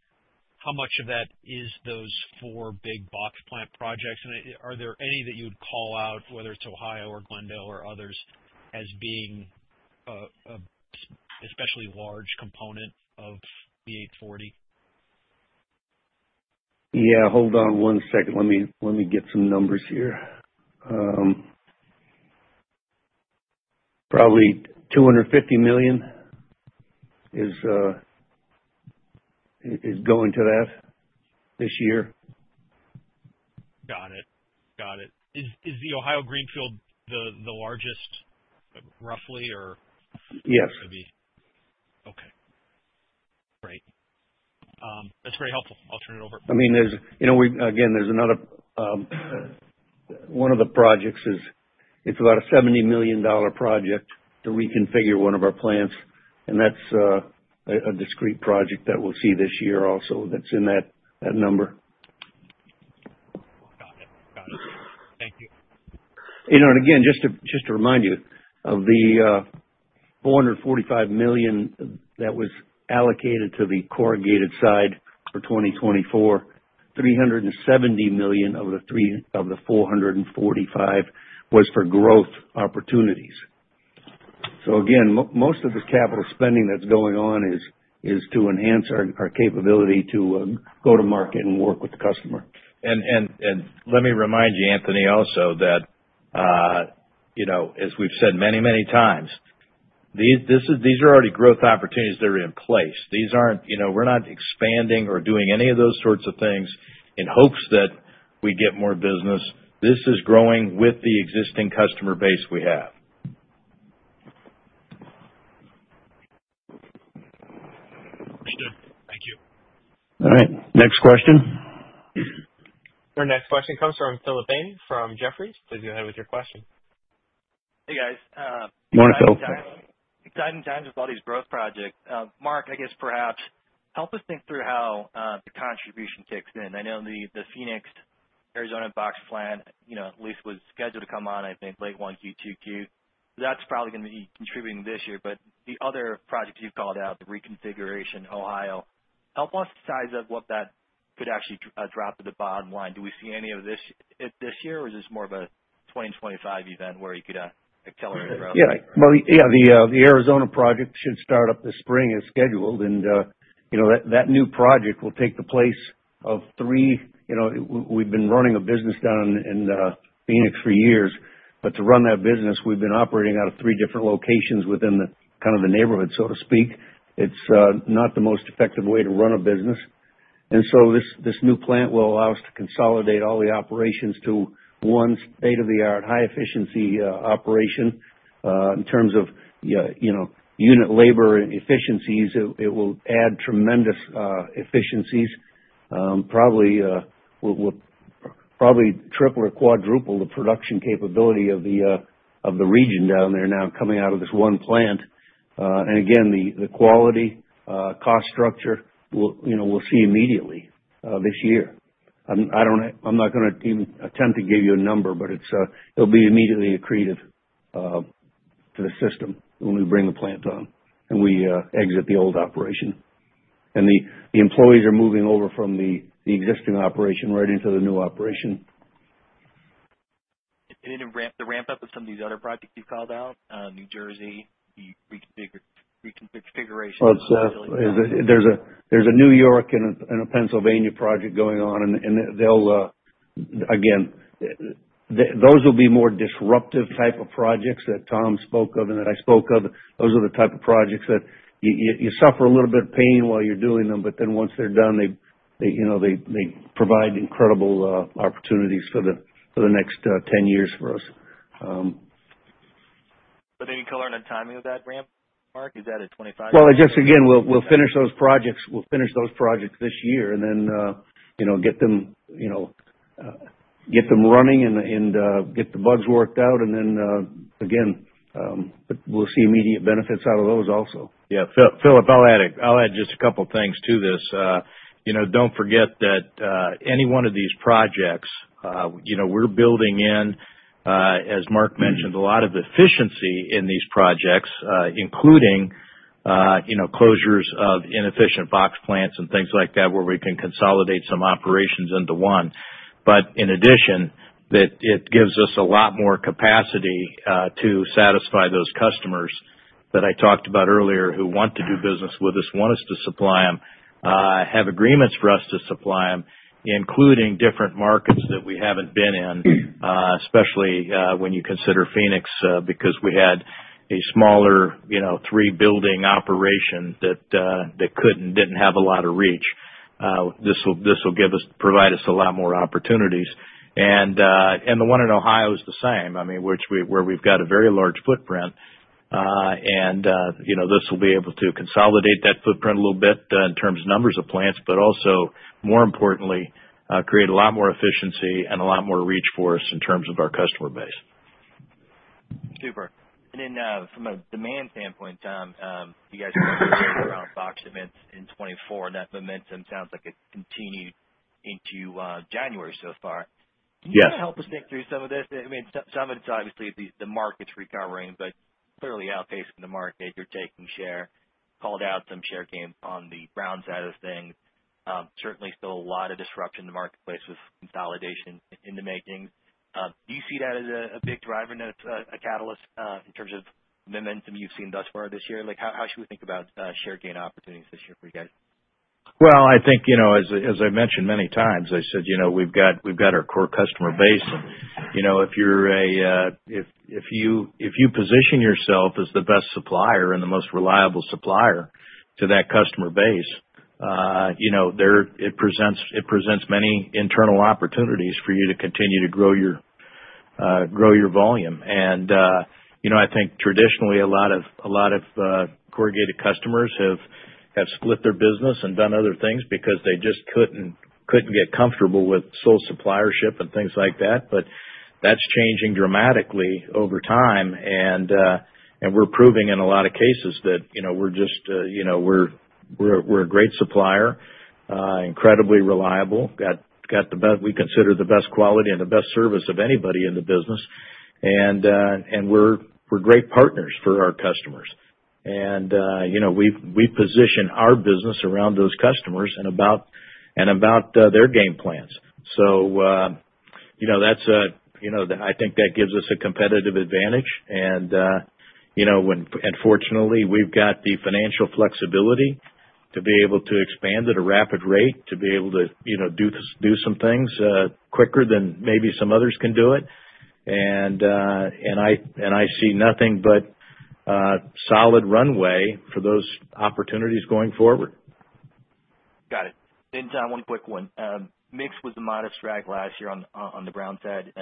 I: how much of that is those four big box plant projects? And are there any that you would call out, whether it's Ohio or Glendale or others, as being a especially large component of the $840?
C: Yeah. Hold on one second. Let me get some numbers here. Probably $250 million is going to that this year.
I: Got it. Got it. Is the Ohio Greenfield the largest, roughly, or?
B: Yes.
I: Okay. Great. That's very helpful. I'll turn it over.
B: I mean, again, there's another one of the projects is it's about a $70 million project to reconfigure one of our plants. And that's a discrete project that we'll see this year also that's in that number.
I: Got it. Got it. Thank you.
C: Again, just to remind you of the $445 million that was allocated to the corrugated side for 2024, $370 million of the $445 million was for growth opportunities. Again, most of the capital spending that's going on is to enhance our capability to go to market and work with the customer.
B: Let me remind you, Anthony, also that as we've said many, many times, these are already growth opportunities that are in place. We're not expanding or doing any of those sorts of things in hopes that we get more business. This is growing with the existing customer base we have.
I: Understood. Thank you.
B: All right. Next question.
A: Our next question comes from Philip Ng from Jefferies. Please go ahead with your question.
J: Hey, guys.
B: Morning, Phil.
J: Exciting times with all these growth projects. Mark, I guess perhaps help us think through how the contribution kicks in. I know the Phoenix, Arizona box plant at least was scheduled to come on, I think, late Q1, Q2. That's probably going to be contributing this year. But the other projects you've called out, the reconfiguration, Ohio, help us size up what that could actually drop to the bottom line. Do we see any of this this year, or is this more of a 2025 event where you could accelerate growth?
B: Yeah. Well, yeah, the Arizona project should start up this spring as scheduled. And that new project will take the place of three we've been running a business down in Phoenix for years. But to run that business, we've been operating out of three different locations within kind of the neighborhood, so to speak. It's not the most effective way to run a business. And so this new plant will allow us to consolidate all the operations to one state-of-the-art, high-efficiency operation. In terms of unit labor efficiencies, it will add tremendous efficiencies. Probably triple or quadruple the production capability of the region down there now coming out of this one plant. And again, the quality, cost structure, we'll see immediately this year. I'm not going to even attempt to give you a number, but it'll be immediately accretive to the system when we bring the plant on and we exit the old operation, and the employees are moving over from the existing operation right into the new operation.
J: And in the ramp-up of some of these other projects you've called out, New Jersey, reconfiguration.
B: There's a New York and a Pennsylvania project going on, and again, those will be more disruptive type of projects that Tom spoke of and that I spoke of. Those are the type of projects that you suffer a little bit of pain while you're doing them, but then once they're done, they provide incredible opportunities for the next 10 years for us.
J: But any color on the timing of that ramp-up, Mark? Is that at 2025?
B: Just again, we'll finish those projects. We'll finish those projects this year and then get them running and get the bugs worked out. Then again, we'll see immediate benefits out of those also.
C: Yeah. Philip, I'll add just a couple of things to this. Don't forget that any one of these projects, we're building in, as Mark mentioned, a lot of efficiency in these projects, including closures of inefficient box plants and things like that where we can consolidate some operations into one. In addition, it gives us a lot more capacity to satisfy those customers that I talked about earlier who want to do business with us, want us to supply them, have agreements for us to supply them, including different markets that we haven't been in, especially when you consider Phoenix, because we had a smaller three-building operation that didn't have a lot of reach. This will provide us a lot more opportunities. And the one in Ohio is the same, I mean, where we've got a very large footprint. And this will be able to consolidate that footprint a little bit in terms of numbers of plants, but also, more importantly, create a lot more efficiency and a lot more reach for us in terms of our customer base.
J: Super. And then from a demand standpoint, Tom, you guys are going to be moving around box plants in 2024. That momentum sounds like it continued into January so far. Can you kind of help us think through some of this? I mean, some of it's obviously the market's recovering, but clearly outpacing the market. You're taking share. Called out some share gain on the brown side of things. Certainly still a lot of disruption in the marketplace with consolidation in the making. Do you see that as a big driver, a catalyst in terms of momentum you've seen thus far this year? How should we think about share gain opportunities this year for you guys?
C: I think, as I mentioned many times, I said we've got our core customer base. And if you position yourself as the best supplier and the most reliable supplier to that customer base, it presents many internal opportunities for you to continue to grow your volume. And I think traditionally, a lot of corrugated customers have split their business and done other things because they just couldn't get comfortable with sole suppliership and things like that. But that's changing dramatically over time. And we're proving in a lot of cases that we're just a great supplier, incredibly reliable, got the best we consider the best quality and the best service of anybody in the business. And we're great partners for our customers. And we position our business around those customers and about their game plans. So that's, I think, that gives us a competitive advantage. And fortunately, we've got the financial flexibility to be able to expand at a rapid rate, to be able to do some things quicker than maybe some others can do it. And I see nothing but a solid runway for those opportunities going forward.
J: Got it. And Tom, one quick one. Mix was the modest drag last year on the brown side.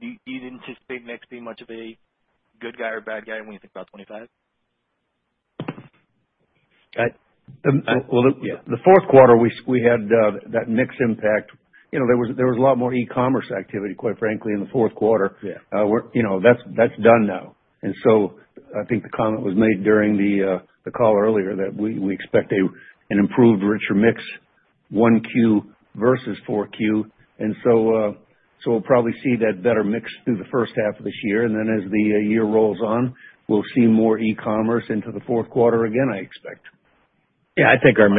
J: Do you anticipate mix being much of a good guy or bad guy when you think about 2025?
B: The fourth quarter, we had that mixed impact. There was a lot more e-commerce activity, quite frankly, in the fourth quarter. That's done now, and so I think the comment was made during the call earlier that we expect an improved, richer mix, Q1 versus Q4, and so we'll probably see that better mix through the first half of this year. And then as the year rolls on, we'll see more e-commerce into the fourth quarter again, I expect.
C: Yeah, I think our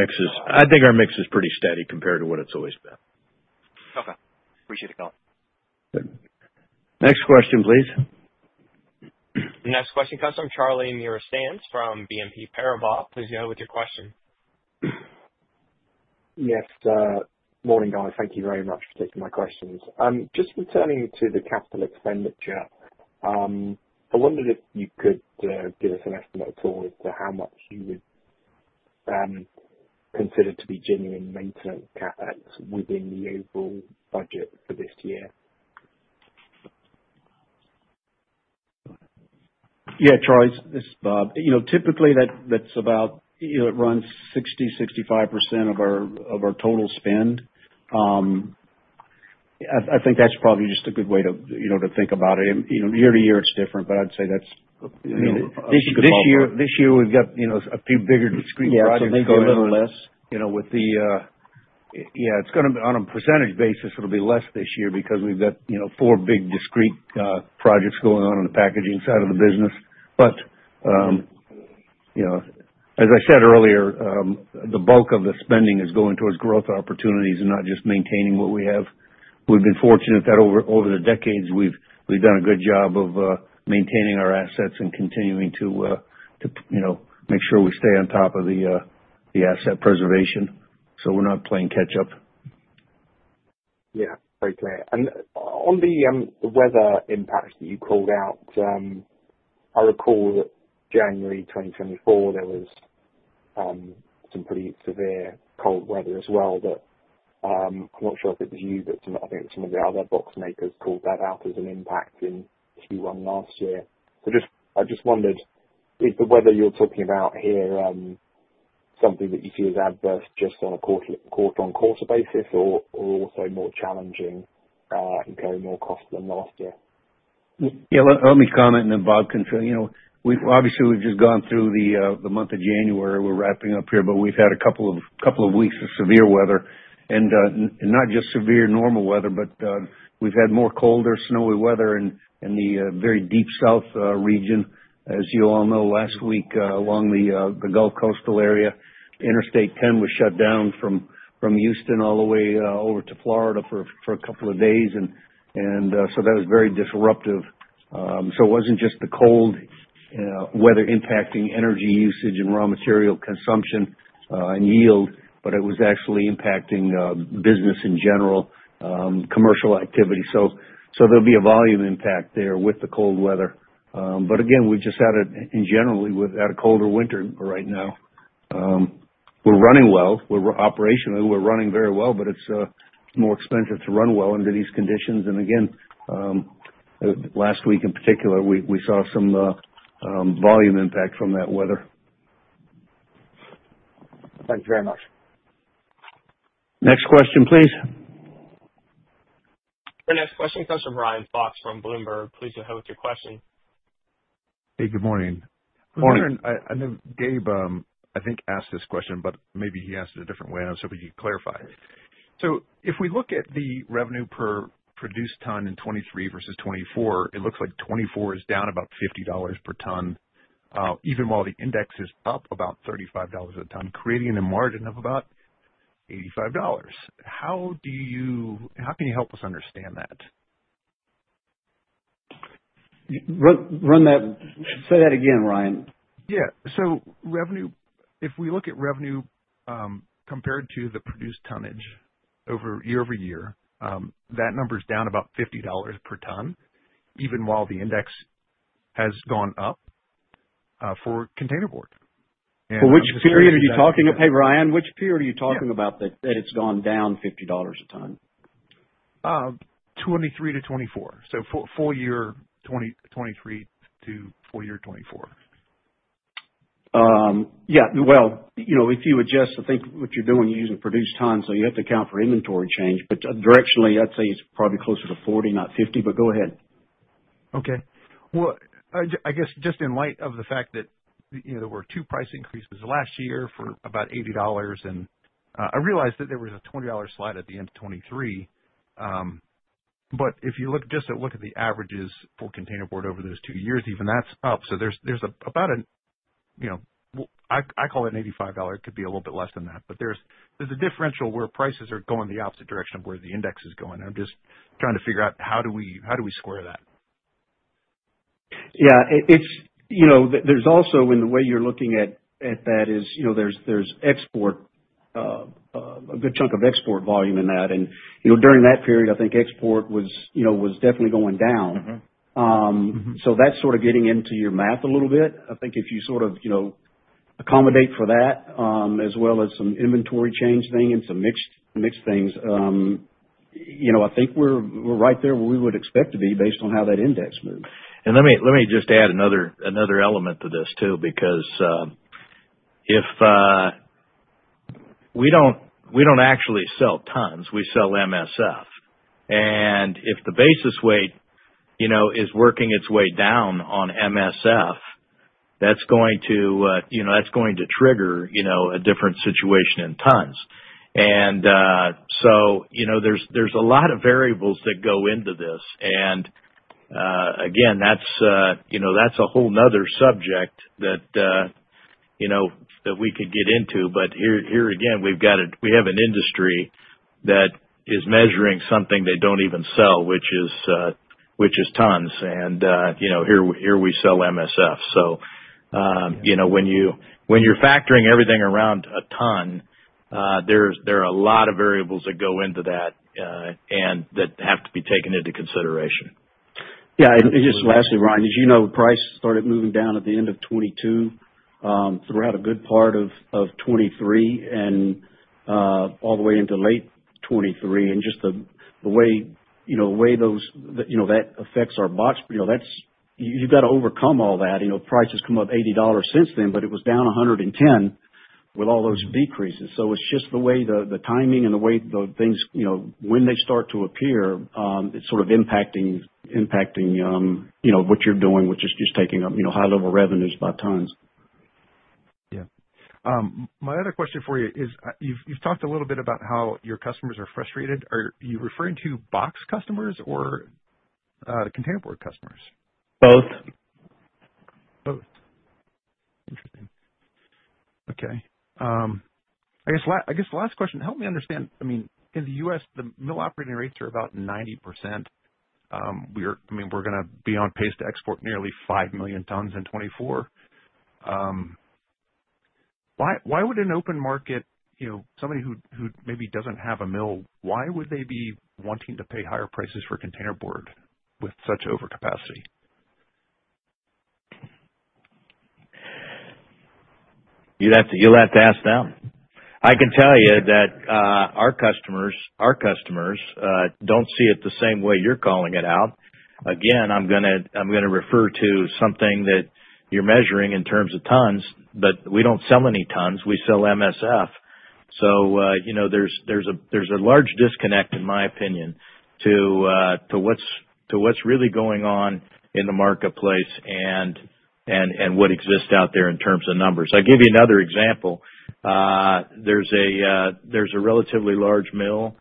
C: mix is pretty steady compared to what it's always been.
J: Okay. Appreciate the color.
B: Next question, please.
A: Next question comes from Charlie Muir-Sands from BNP Paribas. Please go ahead with your question.
K: Yes. Morning, guys. Thank you very much for taking my questions. Just returning to the capital expenditure, I wondered if you could give us an estimate at all as to how much you would consider to be genuine maintenance CapEx within the overall budget for this year.
D: Yeah, Charlie this is Bob. Typically, that's about it runs 60%-65% of our total spend. I think that's probably just a good way to think about it. Year-to-year, it's different, but I'd say that's a decent proportion. This year, we've got a few bigger discrete projects going on. Yeah, it's going to be on a percentage basis. It'll be less this year because we've got four big discrete projects going on on the packaging side of the business. But as I said earlier, the bulk of the spending is going towards growth opportunities and not just maintaining what we have. We've been fortunate that over the decades, we've done a good job of maintaining our assets and continuing to make sure we stay on top of the asset preservation so we're not playing catch-up.
K: Yeah. Very clear. And on the weather impacts that you called out, I recall that January 2024, there was some pretty severe cold weather as well. But I'm not sure if it was you, but I think some of the other box makers called that out as an impact in Q1 last year. So I just wondered, is the weather you're talking about here something that you see as adverse just on a quarter-on-quarter basis or also more challenging and more costly than last year?
B: Yeah. Let me comment, and then Bob can fill in. Obviously, we've just gone through the month of January. We're wrapping up here, but we've had a couple of weeks of severe weather. And not just severe normal weather, but we've had more colder, snowy weather in the very Deep South region. As you all know, last week along the Gulf Coastal area, Interstate 10 was shut down from Houston all the way over to Florida for a couple of days. And so that was very disruptive. So it wasn't just the cold weather impacting energy usage and raw material consumption and yield, but it was actually impacting business in general, commercial activity. So there'll be a volume impact there with the cold weather. But again, we've generally had a colder winter right now. We're running well. Operationally, we're running very well, but it's more expensive to run well under these conditions. And again.
D: Last week in particular, we saw some volume impact from that weather.
K: Thank you very much.
B: Next question, please.
A: Our next question comes from Ryan Fox from Bloomberg. Please go ahead with your question.
L: Hey, good morning.
B: Good morning.
L: I think Gabe, I think, asked this question, but maybe he asked it a different way. I'm just hoping you can clarify. So if we look at the revenue per produced ton in 2023 versus 2024, it looks like 2024 is down about $50 per ton, even while the index is up about $35 a ton, creating a margin of about $85. How can you help us understand that?
B: Say that again, Ryan.
L: Yeah. So if we look at revenue compared to the produced tonnage year over year, that number's down about $50 per ton, even while the index has gone up for containerboard.
B: Which period are you talking about, Ryan? Which period are you talking about that it's gone down $50 a ton?
L: 2023 to 2024. So full year 2023 to full year 2024.
B: Yeah. Well, if you adjust, I think what you're doing, you're using produced ton, so you have to account for inventory change. But directionally, I'd say it's probably closer to 40, not 50, but go ahead.
L: Okay. Well, I guess just in light of the fact that there were two price increases last year for about $80, and I realized that there was a $20 slide at the end of 2023. But if you just look at the averages for containerboard over those two years, even that's up. So there's about an—I call it—an $85. It could be a little bit less than that. But there's a differential where prices are going the opposite direction of where the index is going. I'm just trying to figure out how do we square that?
B: Yeah. There's also in the way you're looking at that is there's a good chunk of export volume in that. And during that period, I think export was definitely going down. So that's sort of getting into your math a little bit. I think if you sort of accommodate for that as well as some inventory change thing and some mix things, I think we're right there where we would expect to be based on how that index moved.
C: And let me just add another element to this too, because if we don't actually sell tons, we sell MSF. And if the basis weight is working its way down on MSF, that's going to trigger a different situation in tons. And so there's a lot of variables that go into this. And again, that's a whole nother subject that we could get into. But here again, we have an industry that is measuring something they don't even sell, which is tons. And here we sell MSF. So when you're factoring everything around a ton, there are a lot of variables that go into that and that have to be taken into consideration.
D: Yeah. Just lastly, Ryan, as you know, price started moving down at the end of 2022 throughout a good part of 2023 and all the way into late 2023. And just the way that affects our box, you've got to overcome all that. Prices come up $80 since then, but it was down $110 with all those decreases. So it's just the way the timing and the way the things, when they start to appear, it's sort of impacting what you're doing, which is just taking up high-level revenues by tons.
L: Yeah. My other question for you is you've talked a little bit about how your customers are frustrated. Are you referring to box customers or containerboard customers?
B: Both.
C: Both.
L: Interesting. Okay. I guess the last question, help me understand. I mean, in the U.S., the mill operating rates are about 90%. I mean, we're going to be on pace to export nearly five million tons in 2024. Why would an open market, somebody who maybe doesn't have a mill, why would they be wanting to pay higher prices for containerboard with such overcapacity?
B: You'll have to ask them. I can tell you that our customers don't see it the same way you're calling it out. Again, I'm going to refer to something that you're measuring in terms of tons, but we don't sell any tons. We sell MSF. So there's a large disconnect, in my opinion, to what's really going on in the marketplace and what exists out there in terms of numbers. I'll give you another example. There's a relatively large mill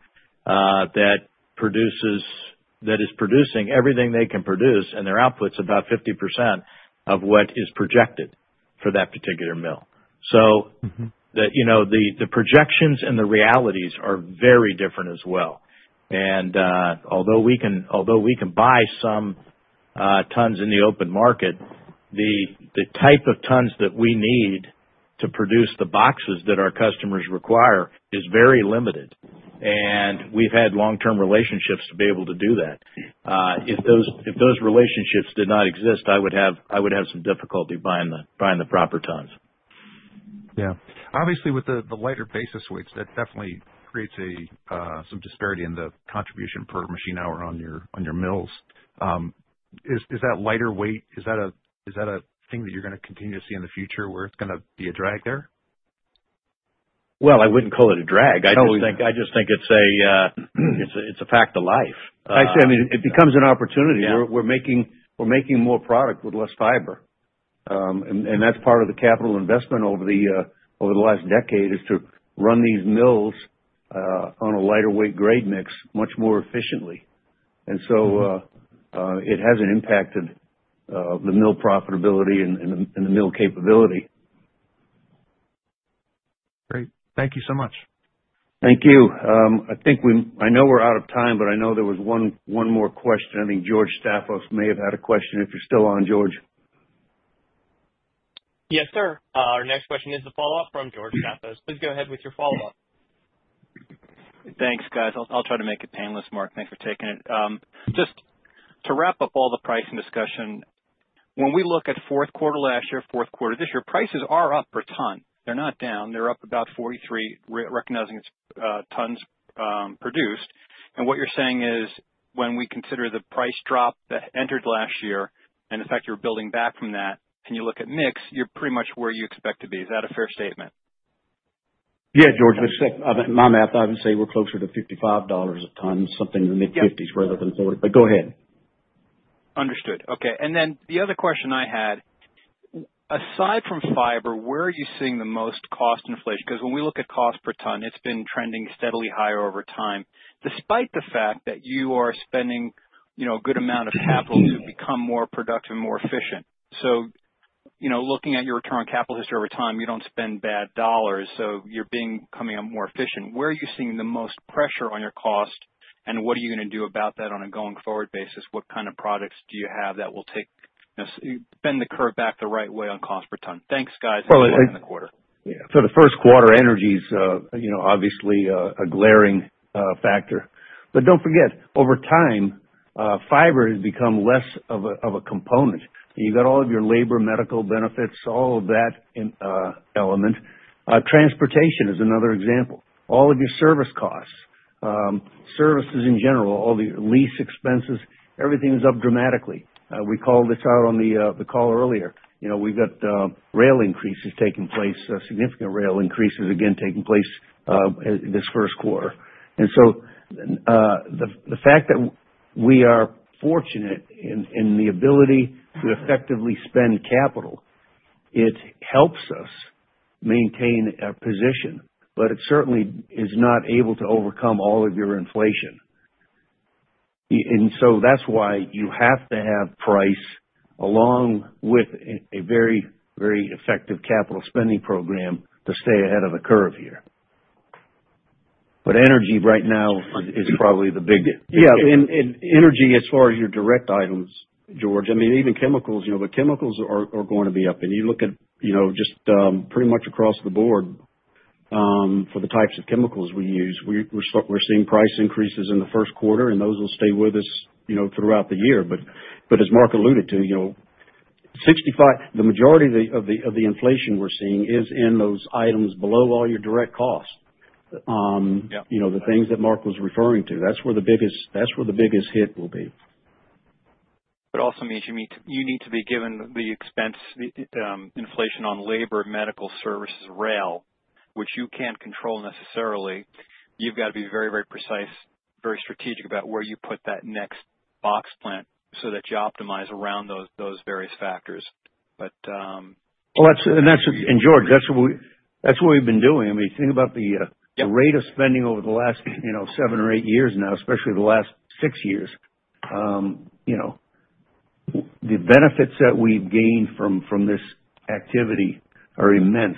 B: that is producing everything they can produce, and their output's about 50% of what is projected for that particular mill. So the projections and the realities are very different as well, and although we can buy some tons in the open market, the type of tons that we need to produce the boxes that our customers require is very limited. And we've had long-term relationships to be able to do that. If those relationships did not exist, I would have some difficulty buying the proper tons.
C: Yeah. Obviously, with the lighter basis weights, that definitely creates some disparity in the contribution per machine hour on your mills. Is that lighter weight, is that a thing that you're going to continue to see in the future where it's going to be a drag there?
B: I wouldn't call it a drag. I just think it's a fact of life.
C: I see. I mean, it becomes an opportunity. We're making more product with less fiber. And that's part of the capital investment over the last decade is to run these mills on a lighter weight grade mix much more efficiently. And so it hasn't impacted the mill profitability and the mill capability.
L: Great. Thank you so much.
B: Thank you. I know we're out of time, but I know there was one more question. I think George Staphos may have had a question. If you're still on, George.
A: Yes, sir. Our next question is a follow-up from George Staphos. Please go ahead with your follow-up.
E: Thanks, guys. I'll try to make it painless, Mark. Thanks for taking it. Just to wrap up all the pricing discussion, when we look at fourth quarter last year, fourth quarter this year, prices are up per ton. They're not down. They're up about $43, recognizing it's tons produced. And what you're saying is when we consider the price drop that entered last year and the fact you're building back from that, and you look at mix, you're pretty much where you expect to be. Is that a fair statement?
B: Yeah, George. My math, I would say we're closer to $55 a ton, something in the mid-50s rather than 40. But go ahead.
E: Understood. Okay. And then the other question I had, aside from fiber, where are you seeing the most cost inflation? Because when we look at cost per ton, it's been trending steadily higher over time, despite the fact that you are spending a good amount of capital to become more productive and more efficient. So looking at your return on capital history over time, you don't spend bad dollars, so you're becoming more efficient. Where are you seeing the most pressure on your cost, and what are you going to do about that on a going forward basis? What kind of products do you have that will bend the curve back the right way on cost per ton? Thanks, guys.
C: Well, for the first quarter, energy is obviously a glaring factor. But don't forget, over time, fiber has become less of a component. You've got all of your labor, medical benefits, all of that element. Transportation is another example. All of your service costs, services in general, all the lease expenses, everything is up dramatically. We called this out on the call earlier. We've got rail increases taking place, significant rail increases again taking place this first quarter. And so the fact that we are fortunate in the ability to effectively spend capital, it helps us maintain a position, but it certainly is not able to overcome all of your inflation. And so that's why you have to have price along with a very, very effective capital spending program to stay ahead of the curve here. But energy right now is probably the biggest. Yeah. Energy as far as your direct items, George. I mean, even chemicals, but chemicals are going to be up. And you look at just pretty much across the board for the types of chemicals we use, we're seeing price increases in the first quarter, and those will stay with us throughout the year. But as Mark alluded to, the majority of the inflation we're seeing is in those items below all your direct costs, the things that Mark was referring to. That's where the biggest hit will be.
E: But also means you need to bear the expense, inflation on labor, medical services, rail, which you can't control necessarily. You've got to be very, very precise, very strategic about where you put that next box plant so that you optimize around those various factors. But.
B: George, that's what we've been doing. I mean, think about the rate of spending over the last seven or eight years now, especially the last six years. The benefits that we've gained from this activity are immense.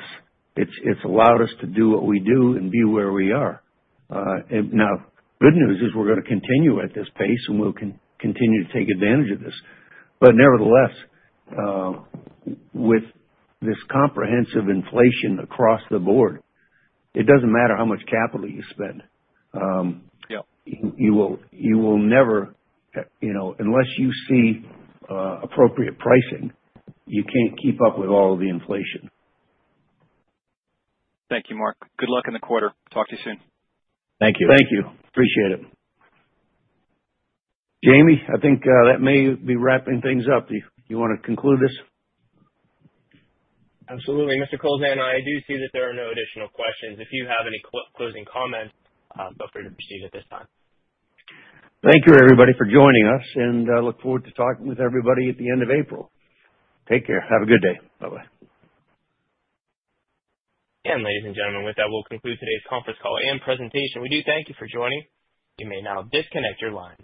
B: It's allowed us to do what we do and be where we are. Now, good news is we're going to continue at this pace, and we'll continue to take advantage of this. But nevertheless, with this comprehensive inflation across the board, it doesn't matter how much capital you spend. You will never, unless you see appropriate pricing, you can't keep up with all of the inflation.
E: Thank you, Mark. Good luck in the quarter. Talk to you soon.
C: Thank you.
B: Thank you. Appreciate it. Jamie, I think that may be wrapping things up. Do you want to conclude this?
A: Absolutely. Mr. Kowlzan, I do see that there are no additional questions. If you have any closing comments, feel free to proceed at this time.
B: Thank you, everybody, for joining us, and I look forward to talking with everybody at the end of April. Take care. Have a good day. Bye-bye.
A: Ladies and gentlemen, with that, we'll conclude today's conference call and presentation. We do thank you for joining. You may now disconnect your line.